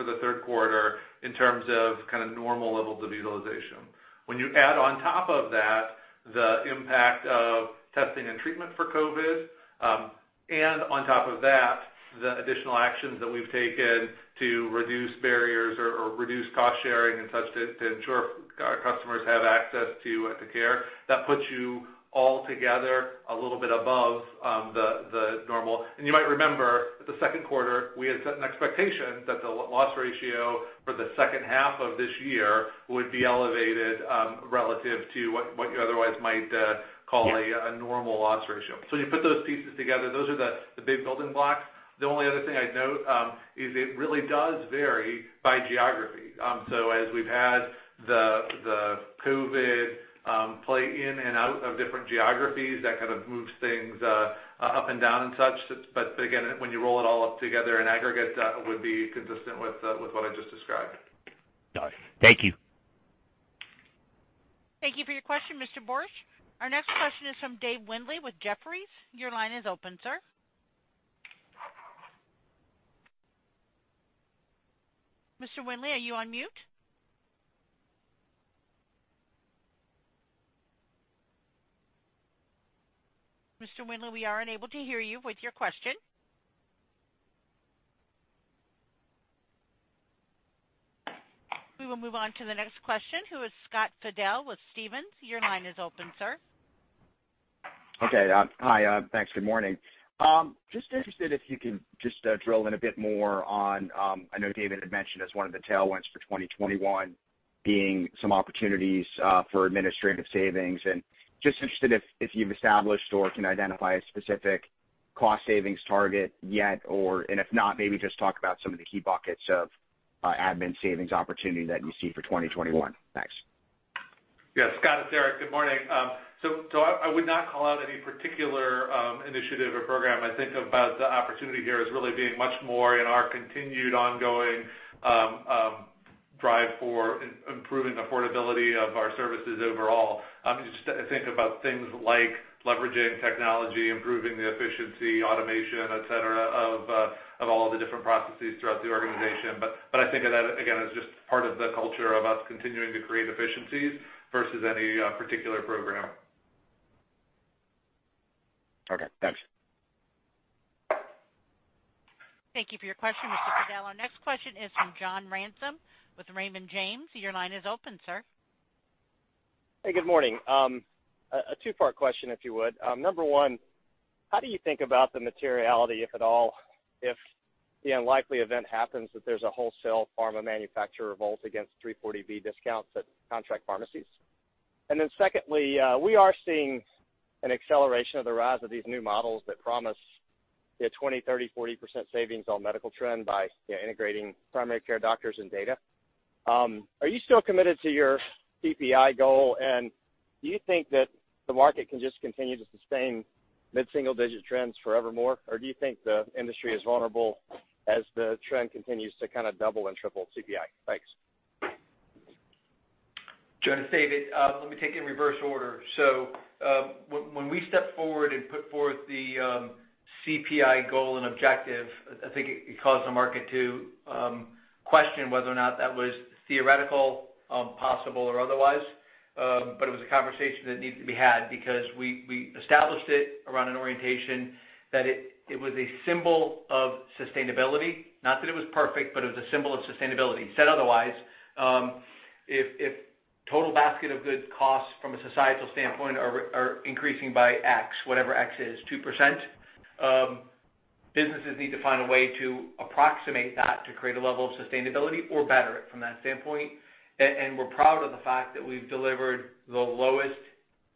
the third quarter in terms of kind of normal levels of utilization. When you add on top of that the impact of testing and treatment for COVID, and on top of that, the additional actions that we've taken to reduce barriers or reduce cost sharing and such to ensure our customers have access to care, that puts you all together a little bit above the normal. You might remember that the second quarter, we had set an expectation that the loss ratio for the second half of this year would be elevated relative to what you otherwise might call a normal loss ratio. You put those pieces together, those are the big building blocks. The only other thing I'd note is it really does vary by geography. As we've had the COVID-19 in and out of different geographies. That kind of moves things up and down and such. Again, when you roll it all up together in aggregate, that would be consistent with what I just described. Got it. Thank you. Thank you for your question, Mr. Borsch. Our next question is from Dave Windley with Jefferies. Your line is open, sir. Mr. Windley, are you on mute? Mr. Windley, we are unable to hear you with your question. We will move on to the next question, who is Scott Fidel with Stephens. Your line is open, sir. Okay. Hi, thanks. Good morning. Just interested if you could just drill in a bit more on, I know David had mentioned as one of the tailwinds for 2021 being some opportunities for administrative savings, and just interested if you've established or can identify a specific cost savings target yet, or, and if not, maybe just talk about some of the key buckets of admin savings opportunity that you see for 2021? Thanks. Yeah, Scott, it's Eric. Good morning. I would not call out any particular initiative or program. I think about the opportunity here as really being much more in our continued ongoing drive for improving affordability of our services overall. Just think about things like leveraging technology, improving the efficiency, automation, et cetera, of all the different processes throughout the organization. I think of that, again, as just part of the culture of us continuing to create efficiencies versus any particular program. Okay, thanks. Thank you for your question, Mr. Fidel. Our next question is from John Ransom with Raymond James. Your line is open, sir. Hey, good morning. A two-part question, if you would. Number one, how do you think about the materiality, if at all, if the unlikely event happens that there's a wholesale pharma manufacturer revolt against 340B discounts at contract pharmacies? Secondly, we are seeing an acceleration of the rise of these new models that promise 20%, 30%, 40% savings on medical trends by integrating primary care doctors and data. Are you still committed to your CPI goal, and do you think that the market can just continue to sustain mid-single-digit trends forevermore, or do you think the industry is vulnerable as the trend continues to kind of double and triple CPI? Thanks. John, it's David. Let me take it in reverse order. When we stepped forward and put forth the CPI goal and objective, I think it caused the market to question whether or not that was theoretical, possible, or otherwise. It was a conversation that needed to be had because we established it around an orientation that it was a symbol of sustainability. Not that it was perfect, but it was a symbol of sustainability. Said otherwise, if total basket of goods costs from a societal standpoint are increasing by X, whatever X is, 2%, businesses need to find a way to approximate that to create a level of sustainability or better it from that standpoint. We're proud of the fact that we've delivered the lowest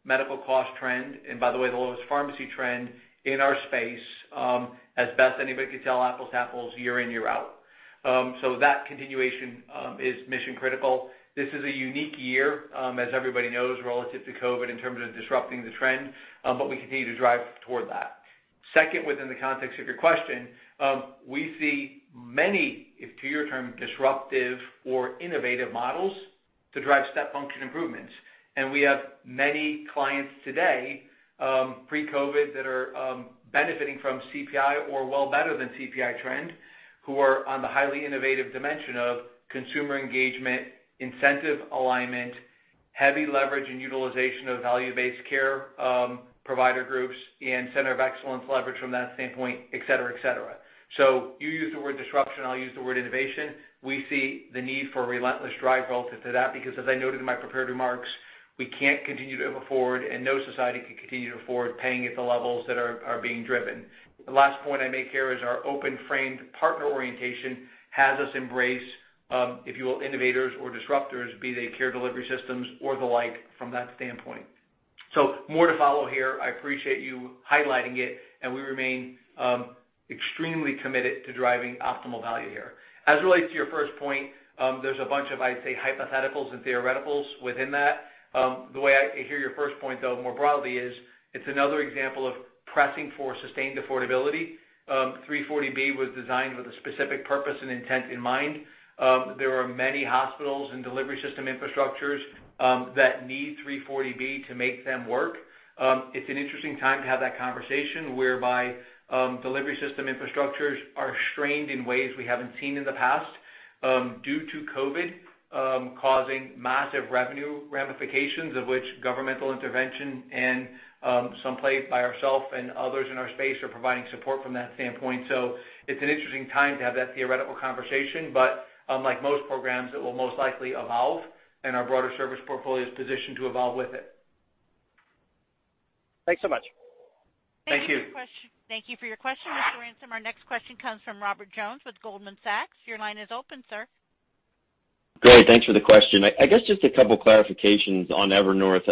medical cost trend, and by the way, the lowest pharmacy trend in our space, as best anybody could tell, apples to apples, year in, year out. That continuation is mission-critical. This is a unique year, as everybody knows, relative to COVID-19 in terms of disrupting the trend, but we continue to drive toward that. Second, within the context of your question, we see many, if to your term, disruptive or innovative models to drive step function improvements. We have many clients today, pre-COVID-19, that are benefiting from CPI or well better than CPI trend, who are on the highly innovative dimension of consumer engagement, incentive alignment, heavy leverage and utilization of value-based care provider groups, and center of excellence leverage from that standpoint, et cetera. You use the word disruption, I'll use the word innovation. We see the need for relentless drive relative to that, because as I noted in my prepared remarks, we can't continue to afford, and no society can continue to afford paying at the levels that are being driven. The last point I make here is our open-framed partner orientation has us embrace, if you will, innovators or disruptors, be they care delivery systems or the like, from that standpoint. More to follow here. I appreciate you highlighting it, and we remain extremely committed to driving optimal value here. As it relates to your first point, there's a bunch of, I'd say, hypotheticals and theoreticals within that. The way I hear your first point, though, more broadly, is, it's another example of pressing for sustained affordability. 340B was designed with a specific purpose and intent in mind. There are many hospitals and delivery system infrastructures that need 340B to make them work. It's an interesting time to have that conversation, whereby delivery system infrastructures are strained in ways we haven't seen in the past due to COVID causing massive revenue ramifications, of which governmental intervention and some play by ourself and others in our space are providing support from that standpoint. It's an interesting time to have that theoretical conversation, but unlike most programs, it will most likely evolve, and our broader service portfolio is positioned to evolve with it. Thanks so much. Thank you. Thank you for your question, Mr. Ransom. Our next question comes from Robert Jones with Goldman Sachs. Your line is open, sir. Great. Thanks for the question. I guess just a couple of clarifications on Evernorth.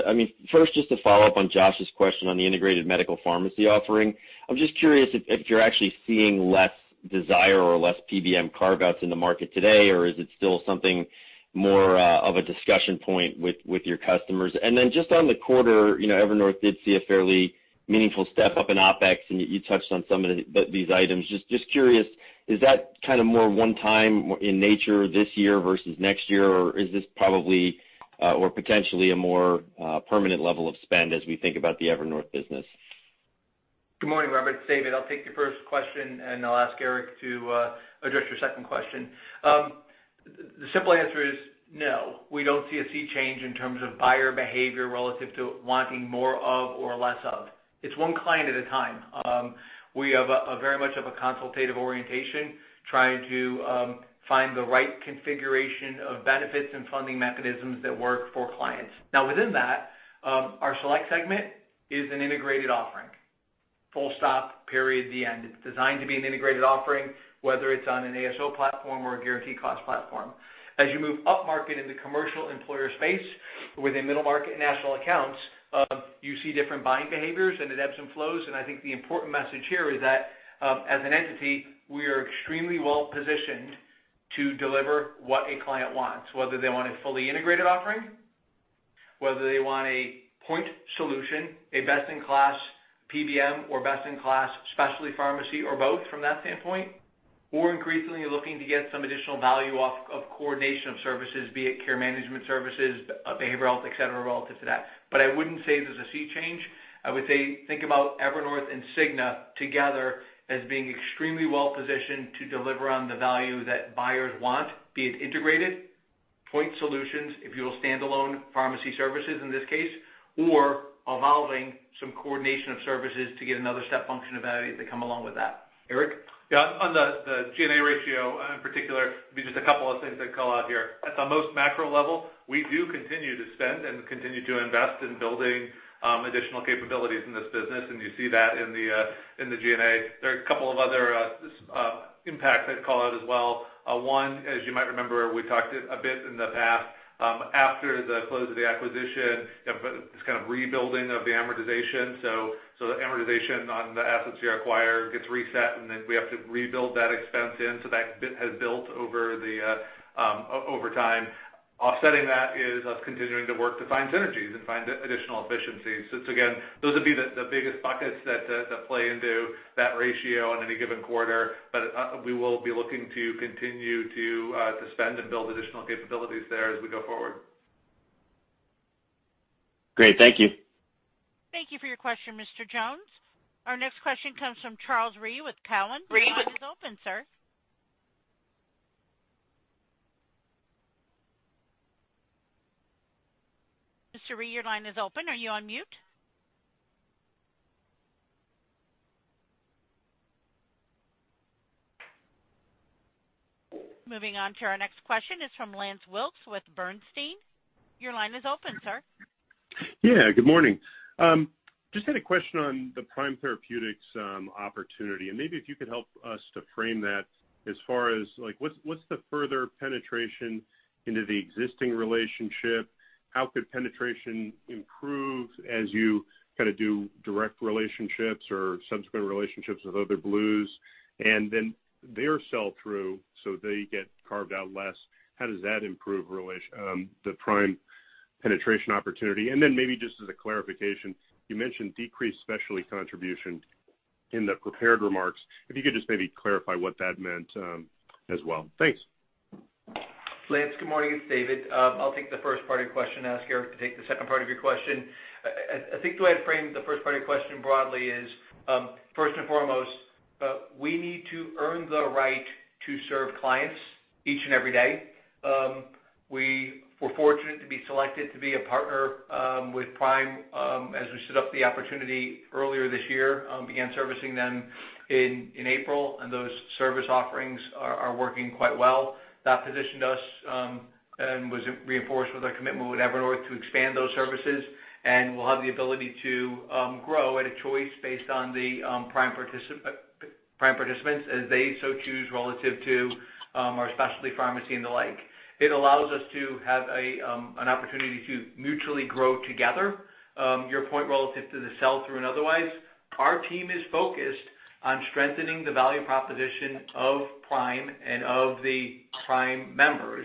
First, just to follow up on Josh's question on the integrated medical pharmacy offering, I'm just curious if you're actually seeing less desire or less PBM carve-outs in the market today, or is it still something more of a discussion point with your customers? Then, just on the quarter, Evernorth did see a fairly meaningful step up in OpEx, and you touched on some of these items. Just curious, is that more one-time in nature this year versus next year, or is this probably or potentially a more permanent level of spend as we think about the Evernorth business? Good morning, Robert. It's David. I'll take your first question, and I'll ask Eric to address your second question. The simple answer is no, we don't see a sea change in terms of buyer behavior relative to wanting more of or less of. It's one client at a time. We have very much of a consultative orientation, trying to find the right configuration of benefits and funding mechanisms that work for clients. Now, within that, our select segment is an integrated offering. Full stop, period, the end. It's designed to be an integrated offering, whether it's on an ASO platform or a guaranteed-cost platform. As you move upmarket in the commercial employer space within middle market and national accounts, you see different buying behaviors, and it ebbs and flows. I think the important message here is that, as an entity, we are extremely well-positioned to deliver what a client wants, whether they want a fully integrated offering, whether they want a point solution, a best-in-class PBM, or best-in-class specialty pharmacy, or both from that standpoint, or increasingly, looking to get some additional value off of coordination of services, be it care management services, behavioral health, et cetera, relative to that. I wouldn't say this is a sea change. I would say, think about Evernorth and Cigna together as being extremely well-positioned to deliver on the value that buyers want, be it integrated, point solutions, if you will, standalone pharmacy services in this case, or evolving some coordination of services to get another step function of value to come along with that. Eric? On the G&A ratio, in particular, maybe just a couple of things I'd call out here. At the most macro level, we do continue to spend and continue to invest in building additional capabilities in this business, and you see that in the G&A. There are a couple of other impacts I'd call out as well. One, as you might remember, we talked a bit in the past, after the close of the acquisition, this kind of rebuilding of the amortization. The amortization on the assets you acquire gets reset, and then we have to rebuild that expense in, so that has built over time. Offsetting that is us continuing to work to find synergies and find additional efficiencies. It's again, those would be the biggest buckets that play into that ratio on any given quarter. We will be looking to continue to spend and build additional capabilities there as we go forward. Great. Thank you. Thank you for your question, Mr. Jones. Our next question comes from Charles Rhyee with Cowen. Your line is open, sir. Mr. Rhyee, your line is open. Are you on mute? Moving on to our next question is from Lance Wilkes with Bernstein. Your line is open, sir. Yeah, good morning. Just had a question on the Prime Therapeutics opportunity, and maybe if you could help us to frame that as far as what's the further penetration into the existing relationship? How could penetration improve as you do direct relationships or subsequent relationships with other Blues? Their sell-through, so they get carved out less, how does that improve the Prime penetration opportunity? Maybe just as a clarification, you mentioned decreased specialty contribution in the prepared remarks. If you could just maybe clarify what that meant as well? Thanks. Lance, good morning. It's David. I'll take the first part of your question and ask Eric to take the second part of your question. I think the way I'd frame the first part of your question broadly is, first and foremost, we need to earn the right to serve clients each and every day. We were fortunate to be selected to be a partner with Prime as we set up the opportunity earlier this year. Began servicing them in April, and those service offerings are working quite well. That positioned us and was reinforced with our commitment with Evernorth to expand those services, and we'll have the ability to grow at a choice based on the Prime participants as they so choose relative to our specialty pharmacy and the like. It allows us to have an opportunity to mutually grow together. Your point relative to the sell-through and otherwise, our team is focused on strengthening the value proposition of Prime and of the Prime member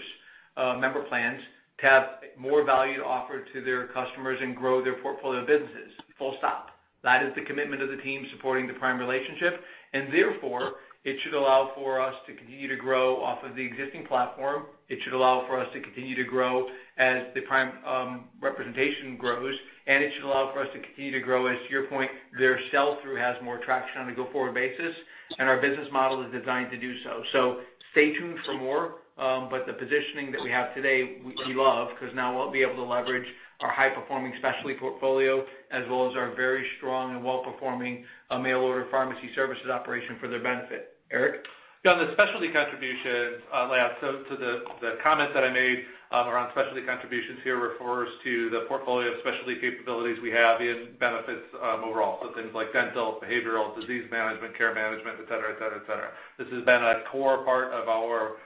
plans to have more value to offer to their customers and grow their portfolio of businesses, full stop. That is the commitment of the team supporting the Prime relationship, and therefore, it should allow for us to continue to grow off of the existing platform. It should allow for us to continue to grow as the Prime representation grows, and it should allow for us to continue to grow, as, to your point, their sell-through has more traction on a go-forward basis, and our business model is designed to do so. Stay tuned for more, but the positioning that we have today, we love, because now we'll be able to leverage our high-performing specialty portfolio as well as our very strong and well-performing mail-order pharmacy services operation for their benefit. Eric? Yeah, on the specialty contributions, Lance, to the comment that I made around specialty contributions here refers to the portfolio of specialty capabilities we have in benefits overall. Things like dental, behavioral, disease management, care management, et cetera. This has been a core part of our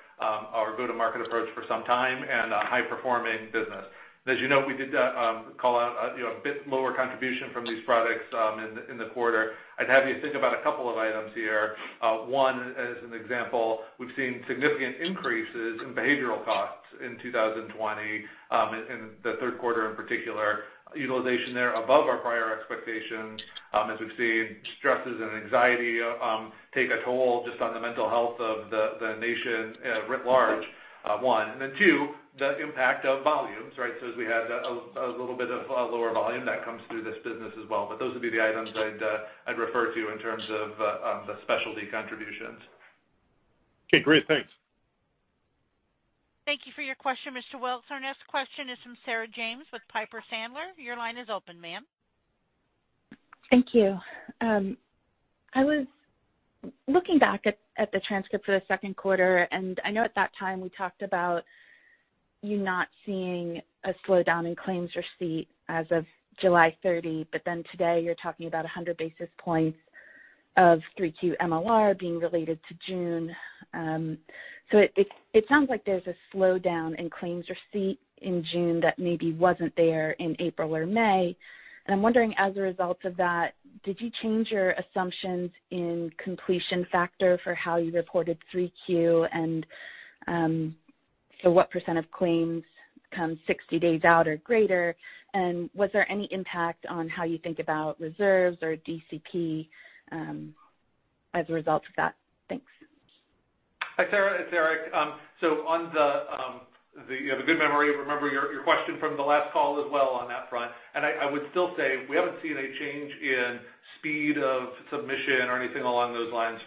go-to-market approach for some time and a high-performing business. As you know, we did call out a bit lower contribution from these products in the quarter. I'd have you think about a couple of items here. One, as an example, we've seen significant increases in behavioral costs in 2020, in the third quarter in particular. One, utilization there above our prior expectations as we've seen stresses and anxiety take a toll just on the mental health of the nation writ large. Two, the impact of volumes, right? As we had a little bit of a lower volume, that comes through this business as well. Those would be the items I'd refer to in terms of the specialty contributions. Okay, great. Thanks. Thank you for your question, Mr. Wilkes. Our next question is from Sarah James with Piper Sandler. Your line is open, ma'am. Thank you. I was looking back at the transcript for the second quarter, I know at that time we talked about you not seeing a slowdown in claims receipt as of July 30, today you're talking about 100 basis points of 3Q MLR being related to June. It sounds like there's a slowdown in claims receipt in June that maybe wasn't there in April or May. I'm wondering, as a result of that, did you change your assumptions in completion factor for how you reported 3Q, what percent of claims come 60 days out or greater? Was there any impact on how you think about reserves or DCP as a result of that? Thanks. Hi, Sarah. It's Eric. You have a good memory, remembering your question from the last call as well on that front. I would still say we haven't seen a change in speed of submission or anything along those lines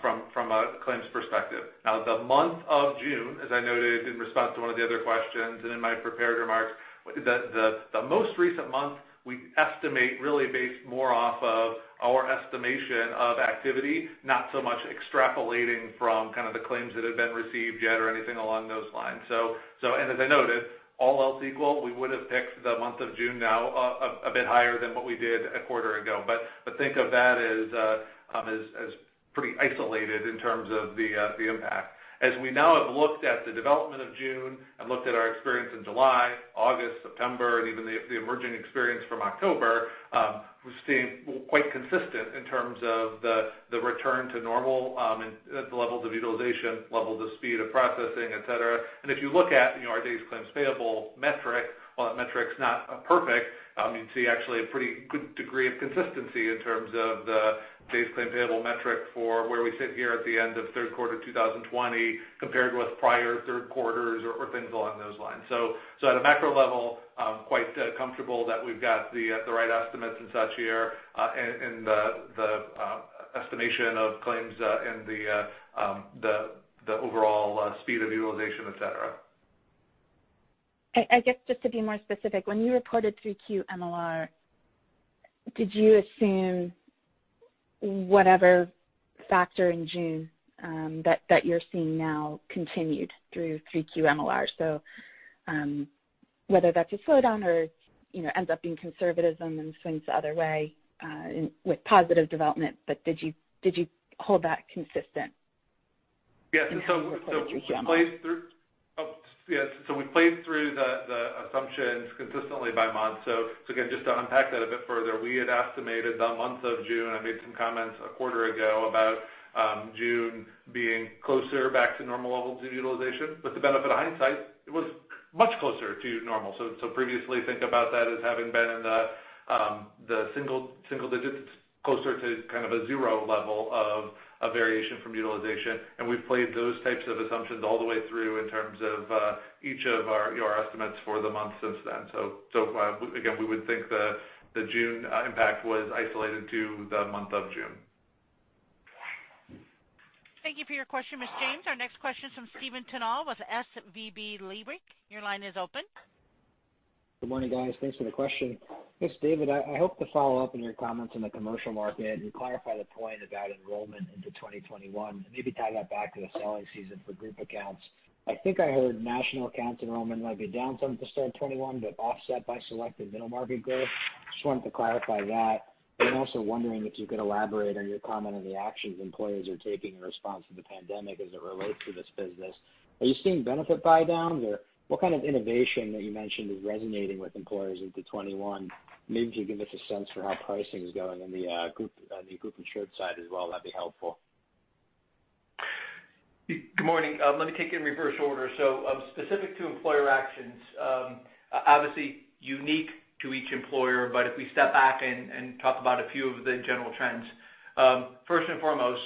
from a claims perspective. Now, the month of June, as I noted in response to one of the other questions and in my prepared remarks, the most recent month we estimate really based more off of our estimation of activity, not so much extrapolating from kind of the claims that have been received yet or anything along those lines. As I noted, all else equal, we would've picked the month of June now a bit higher than what we did a quarter ago. Think of that as pretty isolated in terms of the impact. As we now have looked at the development of June and looked at our experience in July, August, September, and even the emerging experience from October, we're seeing quite consistent in terms of the return to normal in the levels of utilization, levels of speed of processing, et cetera. If you look at our days claims payable metric, while that metric's not perfect, you'd see actually a pretty good degree of consistency in terms of the days' claim payable metric for where we sit here at the end of third quarter 2020 compared with prior third quarters or things along those lines. At a macro level, quite comfortable that we've got the right estimates and such here, in the estimation of claims in the overall speed of utilization, et cetera. I guess just to be more specific, when you reported 3Q MLR, did you assume whatever factor in June that you're seeing now continued through 3Q MLR? Whether that's a slowdown or ends up being conservatism, then swings the other way with positive development. Did you hold that consistent? Yes. In terms of reporting 3Q MLR? We played through the assumptions consistently by month. Again, just to unpack that a bit further, we had estimated the month of June, I made some comments a quarter ago about June being closer back to normal levels of utilization. With the benefit of hindsight, it was much closer to normal. Previously, think about that as having been in the single digits, closer to kind of a zero level of variation from utilization. We've played those types of assumptions all the way through in terms of each of our estimates for the month since then. Again, we would think the June impact was isolated to the month of June. Thank you for your question, Ms. James. Our next question is from Stephen Tanal with SVB Leerink. Your line is open. Good morning, guys. Thanks for the question. Yes, David, I hope to follow up on your comments on the commercial market and clarify the point about enrollment into 2021, and maybe tie that back to the selling season for group accounts. I think I heard national accounts enrollment might be down some to start 2021, but offset by selected middle market growth. Just wanted to clarify that. I'm also wondering if you could elaborate on your comment on the actions employers are taking in response to the pandemic as it relates to this business. Are you seeing benefit buydowns or what kind of innovation that you mentioned is resonating with employers into 2021? Maybe if you can give us a sense for how pricing is going on the group insured side as well, that'd be helpful. Good morning. Let me take you in reverse order. Specific to employer actions, obviously unique to each employer, but if we step back and talk about a few of the general trends. First and foremost,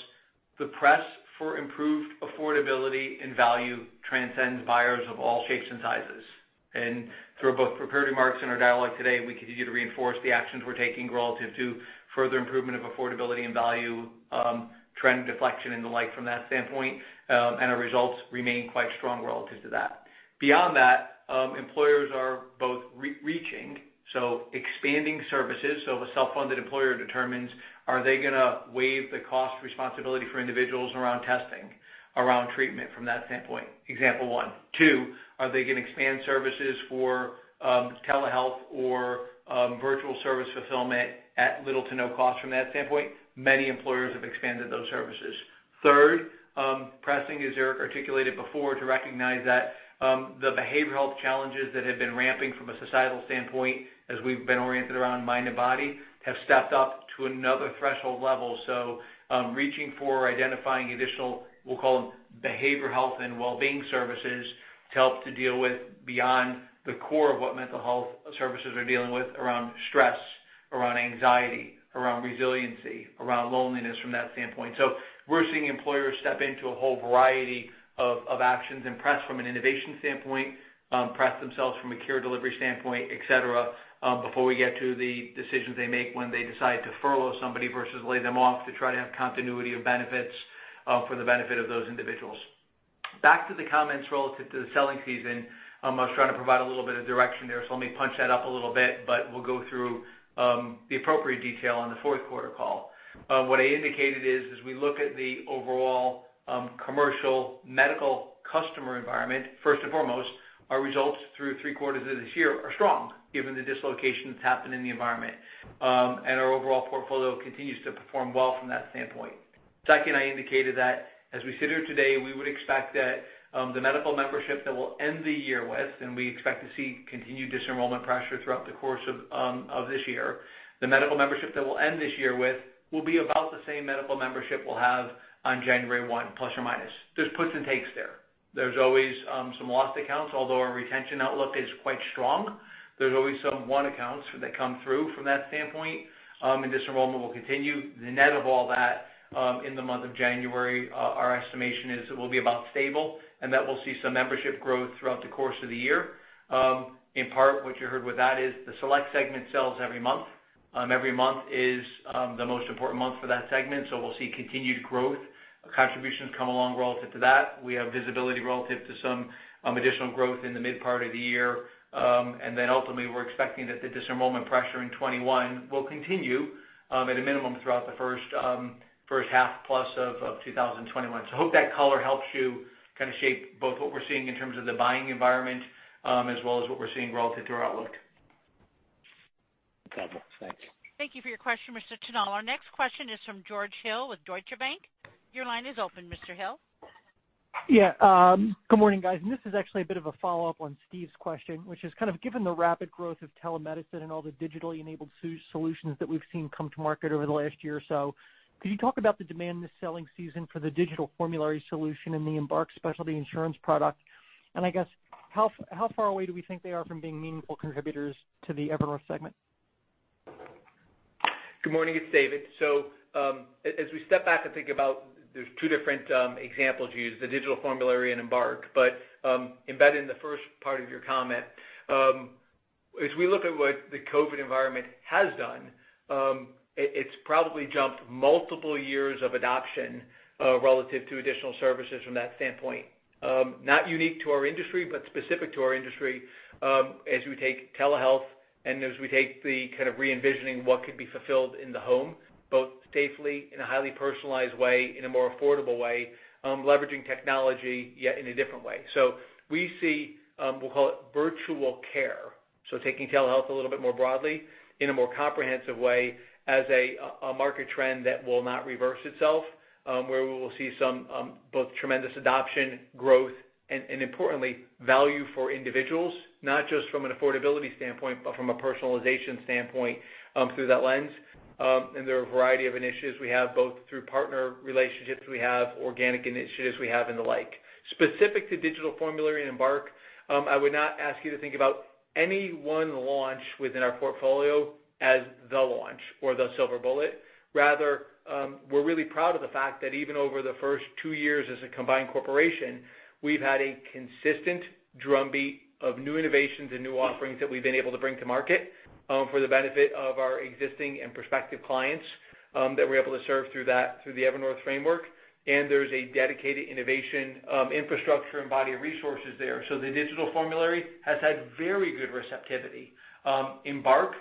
the press for improved affordability and value transcends buyers of all shapes and sizes. Through both prepared remarks and our dialogue today, we continue to reinforce the actions we're taking relative to further improvement of affordability and value, trend deflection, and the like from that standpoint. Our results remain quite strong relative to that. Beyond that, employers are both reaching, expanding services. If a self-funded employer determines are they going to waive the cost responsibility for individuals around testing, around treatment from that standpoint? Example one. Two, are they going to expand services for telehealth or virtual service fulfillment at little to no cost from that standpoint? Many employers have expanded those services. Third, pressing, as Eric articulated before, to recognize that the behavioral challenges that have been ramping from a societal standpoint, as we've been oriented around mind and body, have stepped up to another threshold level. Reaching for identifying additional, we'll call them behavioral health and wellbeing services to help to deal with beyond the core of what mental health services are dealing with around stress, around anxiety, around resiliency, around loneliness from that standpoint. We're seeing employers step into a whole variety of actions and press from an innovation standpoint, press themselves from a care delivery standpoint, et cetera, before we get to the decisions they make when they decide to furlough somebody versus lay them off to try to have continuity of benefits for the benefit of those individuals. Back to the comments relative to the selling season, I was trying to provide a little bit of direction there, so let me punch that up a little bit, but we'll go through the appropriate detail on the fourth quarter call. What I indicated is, as we look at the overall commercial medical customer environment, first and foremost, our results through three quarters of this year are strong, given the dislocation that's happened in the environment. Our overall portfolio continues to perform well from that standpoint. Second, I indicated that as we sit here today, we would expect that the medical membership that we'll end the year with, and we expect to see continued disenrollment pressure throughout the course of this year, the medical membership that we'll end this year with will be about the same medical membership we'll have on January 1, plus or minus. There's puts and takes there. There's always some lost accounts, although our retention outlook is quite strong. There's always some won accounts that come through from that standpoint. Disenrollment will continue. The net of all that in the month of January, our estimation is it will be about stable. That we'll see some membership growth throughout the course of the year. In part, what you heard with that is the Select segment sells every month. Every month is the most important month for that segment, so we'll see continued growth. Contributions come along relative to that. We have visibility relative to some additional growth in the mid part of the year. Ultimately, we're expecting that the disenrollment pressure in 2021 will continue at a minimum throughout the first half-plus of 2021. Hope that color helps you kind of shape both what we're seeing in terms of the buying environment, as well as what we're seeing relative to our outlook. Got it. Thanks. Thank you for your question, Mr. Tanal. Our next question is from George Hill with Deutsche Bank. Your line is open, Mr. Hill. Yeah. Good morning, guys. This is actually a bit of a follow-up on Steve's question, which is kind of given the rapid growth of telemedicine and all the digitally enabled solutions that we've seen come to market over the last year or so, could you talk about the demand this selling season for the Digital Health Formulary solution and the Embarc specialty insurance product? I guess, how far away do we think they are from being meaningful contributors to the Evernorth segment? Good morning. It's David. As we step back and think about, there's two different examples you used, the Digital Health Formulary and Embarc. Embedded in the first part of your comment, as we look at what the COVID environment has done, it's probably jumped multiple years of adoption relative to additional services from that standpoint. Not unique to our industry, but specific to our industry, as we take telehealth and as we take the kind of re-envisioning what could be fulfilled in the home, both safely, in a highly personalized way, in a more affordable way, leveraging technology, yet in a different way. We see, we'll call it virtual care, taking telehealth a little bit more broadly in a more comprehensive way as a market trend that will not reverse itself, where we will see some both tremendous adoption growth and, importantly, value for individuals, not just from an affordability standpoint, but from a personalization standpoint through that lens. There are a variety of initiatives we have, both through partner relationships we have, organic initiatives we have, and the like. Specific to Digital Health Formulary and Embarc, I would not ask you to think about any one launch within our portfolio as the launch or the silver bullet. Rather, we're really proud of the fact that even over the first two years as a combined corporation, we've had a consistent drumbeat of new innovations and new offerings that we've been able to bring to market for the benefit of our existing and prospective clients that we're able to serve through the Evernorth framework. There's a dedicated innovation infrastructure and body of resources there. The Digital Health Formulary has had very good receptivity. Embarc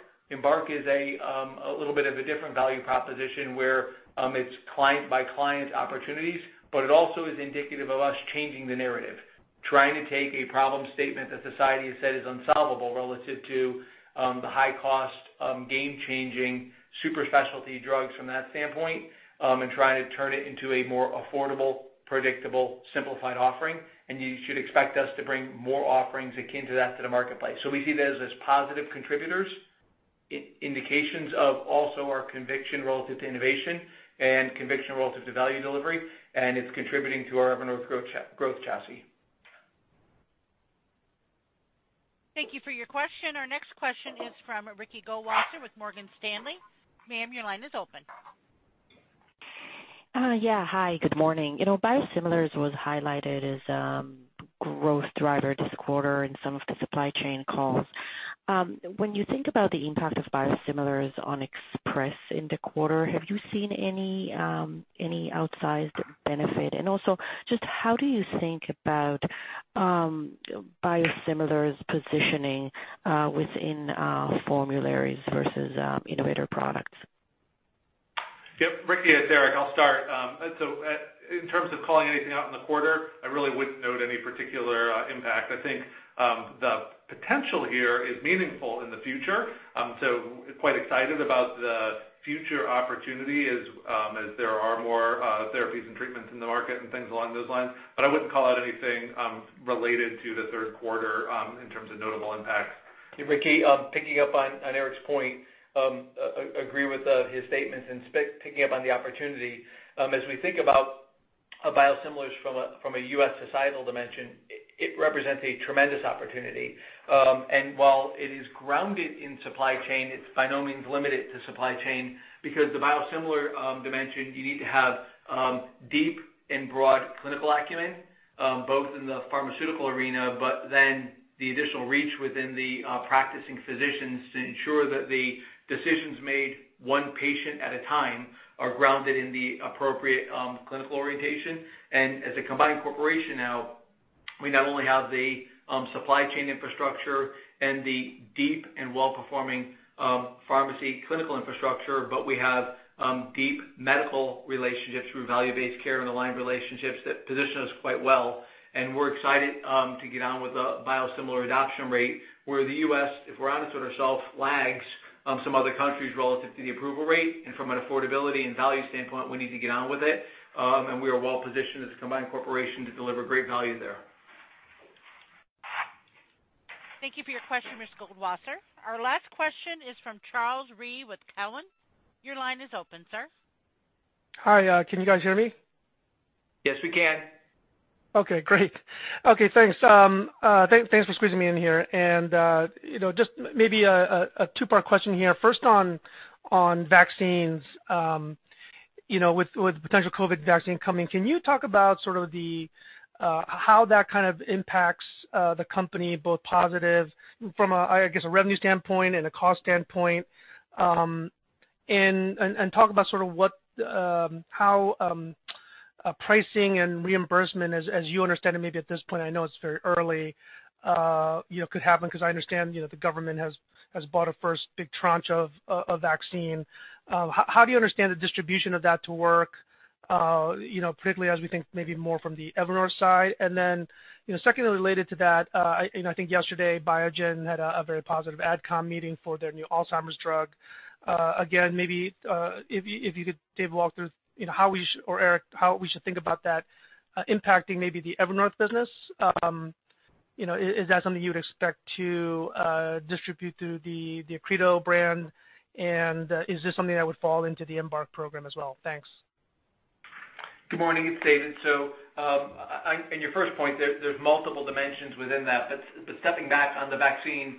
is a little bit of a different value proposition where it's client-by-client opportunities, but it also is indicative of us changing the narrative, trying to take a problem statement that society has said is unsolvable relative to the high cost, game-changing super specialty drugs from that standpoint, and trying to turn it into a more affordable, predictable, simplified offering. You should expect us to bring more offerings akin to that to the marketplace. We see those as positive contributors, indications of also our conviction relative to innovation, and conviction relative to value delivery, and it's contributing to our Evernorth growth chassis. Thank you for your question. Our next question is from Ricky Goldwasser with Morgan Stanley. Ma'am, your line is open. Yeah. Hi, good morning. Biosimilars was highlighted as growth driver this quarter in some of the supply chain calls. When you think about the impact of biosimilars on Express in the quarter, have you seen any outsized benefit? Also, just how do you think about biosimilars' positioning within formularies versus innovator products? Yep. Ricky, it's Eric. I'll start. In terms of calling anything out in the quarter, I really wouldn't note any particular impact. I think the potential here is meaningful in the future. Quite excited about the future opportunity as there are more therapies and treatments in the market and things along those lines. I wouldn't call out anything related to the third quarter in terms of notable impacts. Ricky, picking up on Eric's point, I agree with his statements, and picking up on the opportunity. As we think about biosimilars from a U.S. societal dimension, it represents a tremendous opportunity. While it is grounded in supply chain, it's by no means limited to supply chain, because the biosimilar dimension, you need to have deep and broad clinical acumen, both in the pharmaceutical arena, but then the additional reach within the practicing physicians to ensure that the decisions made one patient at a time are grounded in the appropriate clinical orientation. As a combined corporation now, we not only have the supply chain infrastructure and the deep and well-performing pharmacy clinical infrastructure, but we have deep medical relationships through value-based care and aligned relationships that position us quite well. We're excited to get on with the biosimilar adoption rate where the U.S., if we're honest with ourselves, lags some other countries relative to the approval rate. From an affordability and value standpoint, we need to get on with it. We are well positioned as a combined corporation to deliver great value there. Thank you for your question, Ms. Goldwasser. Our last question is from Charles Rhyee with Cowen. Your line is open, sir. Hi, can you guys hear me? Yes, we can. Okay, great. Okay, thanks. Thanks for squeezing me in here. Just maybe a two-part question here. First on vaccines, with the potential COVID vaccine coming, can you talk about sort of how that kind of impacts the company, both positive from a, I guess, a revenue standpoint and a cost standpoint, and talk about sort of how pricing and reimbursement, as you understand it, maybe at this point, I know it's very early, could happen because I understand, the government has bought a first big tranche of vaccine. How do you understand the distribution of that to work, particularly as we think maybe more from the Evernorth side? Secondly, related to that, I think yesterday, Biogen had a very positive AdCom meeting for their new Alzheimer's drug. Maybe if you could, Dave, walk through, or Eric, how we should think about that impacting maybe the Evernorth business. Is that something you would expect to distribute through the Accredo brand? Is this something that would fall into the Embarc program as well? Thanks. Good morning. It's David. On your first point, there's multiple dimensions within that. Stepping back on the vaccine,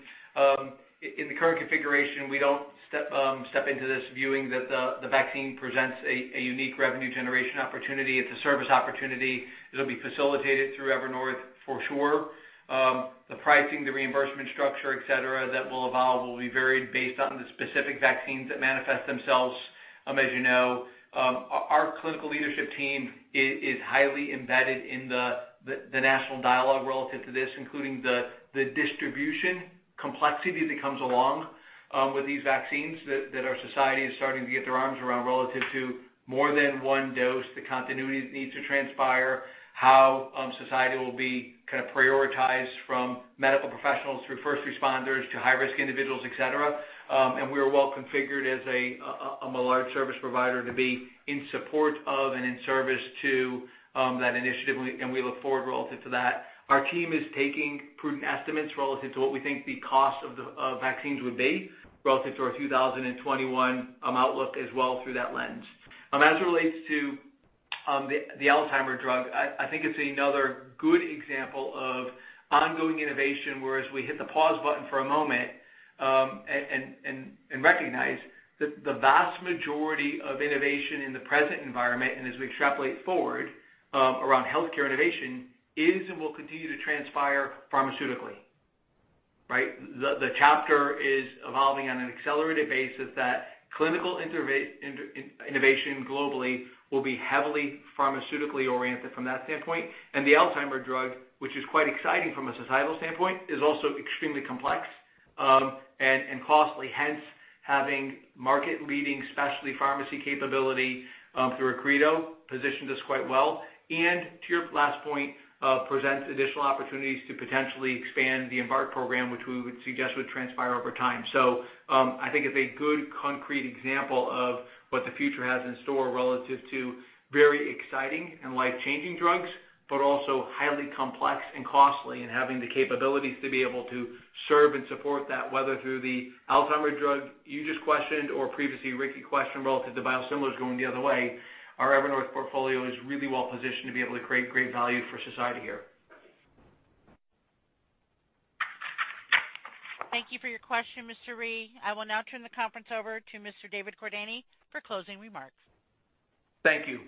in the current configuration, we don't step into this viewing that the vaccine presents a unique revenue generation opportunity. It's a service opportunity. It'll be facilitated through Evernorth for sure. The pricing, the reimbursement structure, et cetera, that will evolve will be varied based on the specific vaccines that manifest themselves. As you know, our clinical leadership team is highly embedded in the national dialogue relative to this, including the distribution complexity that comes along with these vaccines that our society is starting to get their arms around relative to more than one dose, the continuity that needs to transpire, how society will be kind of prioritized from medical professionals through first responders to high-risk individuals, et cetera. We are well configured as a large service provider to be in support of and in service to that initiative, and we look forward relative to that. Our team is taking prudent estimates relative to what we think the cost of vaccines would be, relative to our 2021 outlook, as well, through that lens. As it relates to the Alzheimer's drug, I think it's another good example of ongoing innovation, whereas we hit the pause button for a moment, and recognize that the vast majority of innovation in the present environment, and as we extrapolate forward, around healthcare innovation is and will continue to transpire pharmaceutically. Right? The chapter is evolving on an accelerated basis, that clinical innovation globally will be heavily pharmaceutically oriented from that standpoint. The Alzheimer's drug, which is quite exciting from a societal standpoint, is also extremely complex and costly. Having market-leading specialty pharmacy capability, through Accredo, positions us quite well. To your last point, presents additional opportunities to potentially expand the Embarc program, which we would suggest would transpire over time. I think it's a good concrete example of what the future has in store relative to very exciting and life-changing drugs, but also highly complex and costly and having the capabilities to be able to serve and support that, whether through the Alzheimer's drug you just questioned or previously Ricky questioned relative to biosimilars going the other way. Our Evernorth portfolio is really well positioned to be able to create great value for society here. Thank you for your question, Mr. Rhyee. I will now turn the conference over to Mr. David Cordani for closing remarks. Thank you.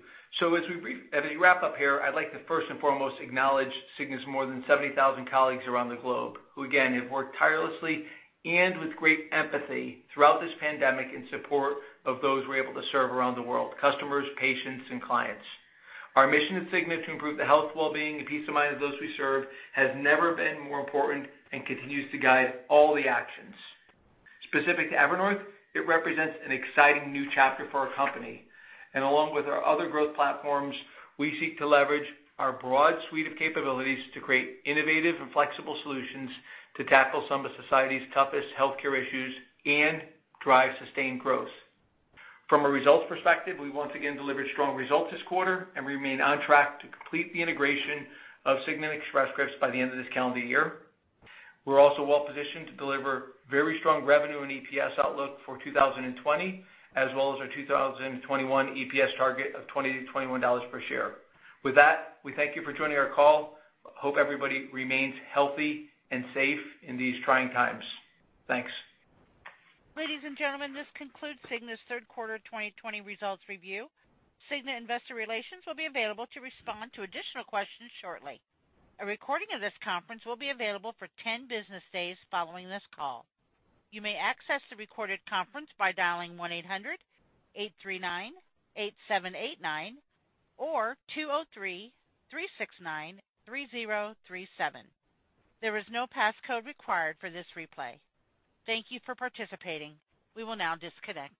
As we wrap up here, I'd like to first and foremost acknowledge Cigna's more than 70,000 colleagues around the globe, who again have worked tirelessly and with great empathy throughout this pandemic in support of those we're able to serve around the world, customers, patients, and clients. Our mission at Cigna to improve the health, well-being, and peace of mind of those we serve has never been more important and continues to guide all the actions. Specific to Evernorth, it represents an exciting new chapter for our company. Along with our other growth platforms, we seek to leverage our broad suite of capabilities to create innovative and flexible solutions to tackle some of society's toughest healthcare issues and drive sustained growth. From a results perspective, we once again delivered strong results this quarter and remain on track to complete the integration of Cigna Express Scripts by the end of this calendar year. We're also well positioned to deliver very strong revenue and EPS outlook for 2020, as well as our 2021 EPS target of $20-$21 per share. With that, we thank you for joining our call. Hope everybody remains healthy and safe in these trying times. Thanks. Ladies and gentlemen, this concludes Cigna's third quarter 2020 results review. Cigna Investor Relations will be available to respond to additional questions shortly. A recording of this conference will be available for 10 business days following this call. Following this call, you may access the recorded conference by dialing 1-800-839-8789 or 203-369-3037. There is no passcode required for this replay. Thank you for participating. We will now disconnect.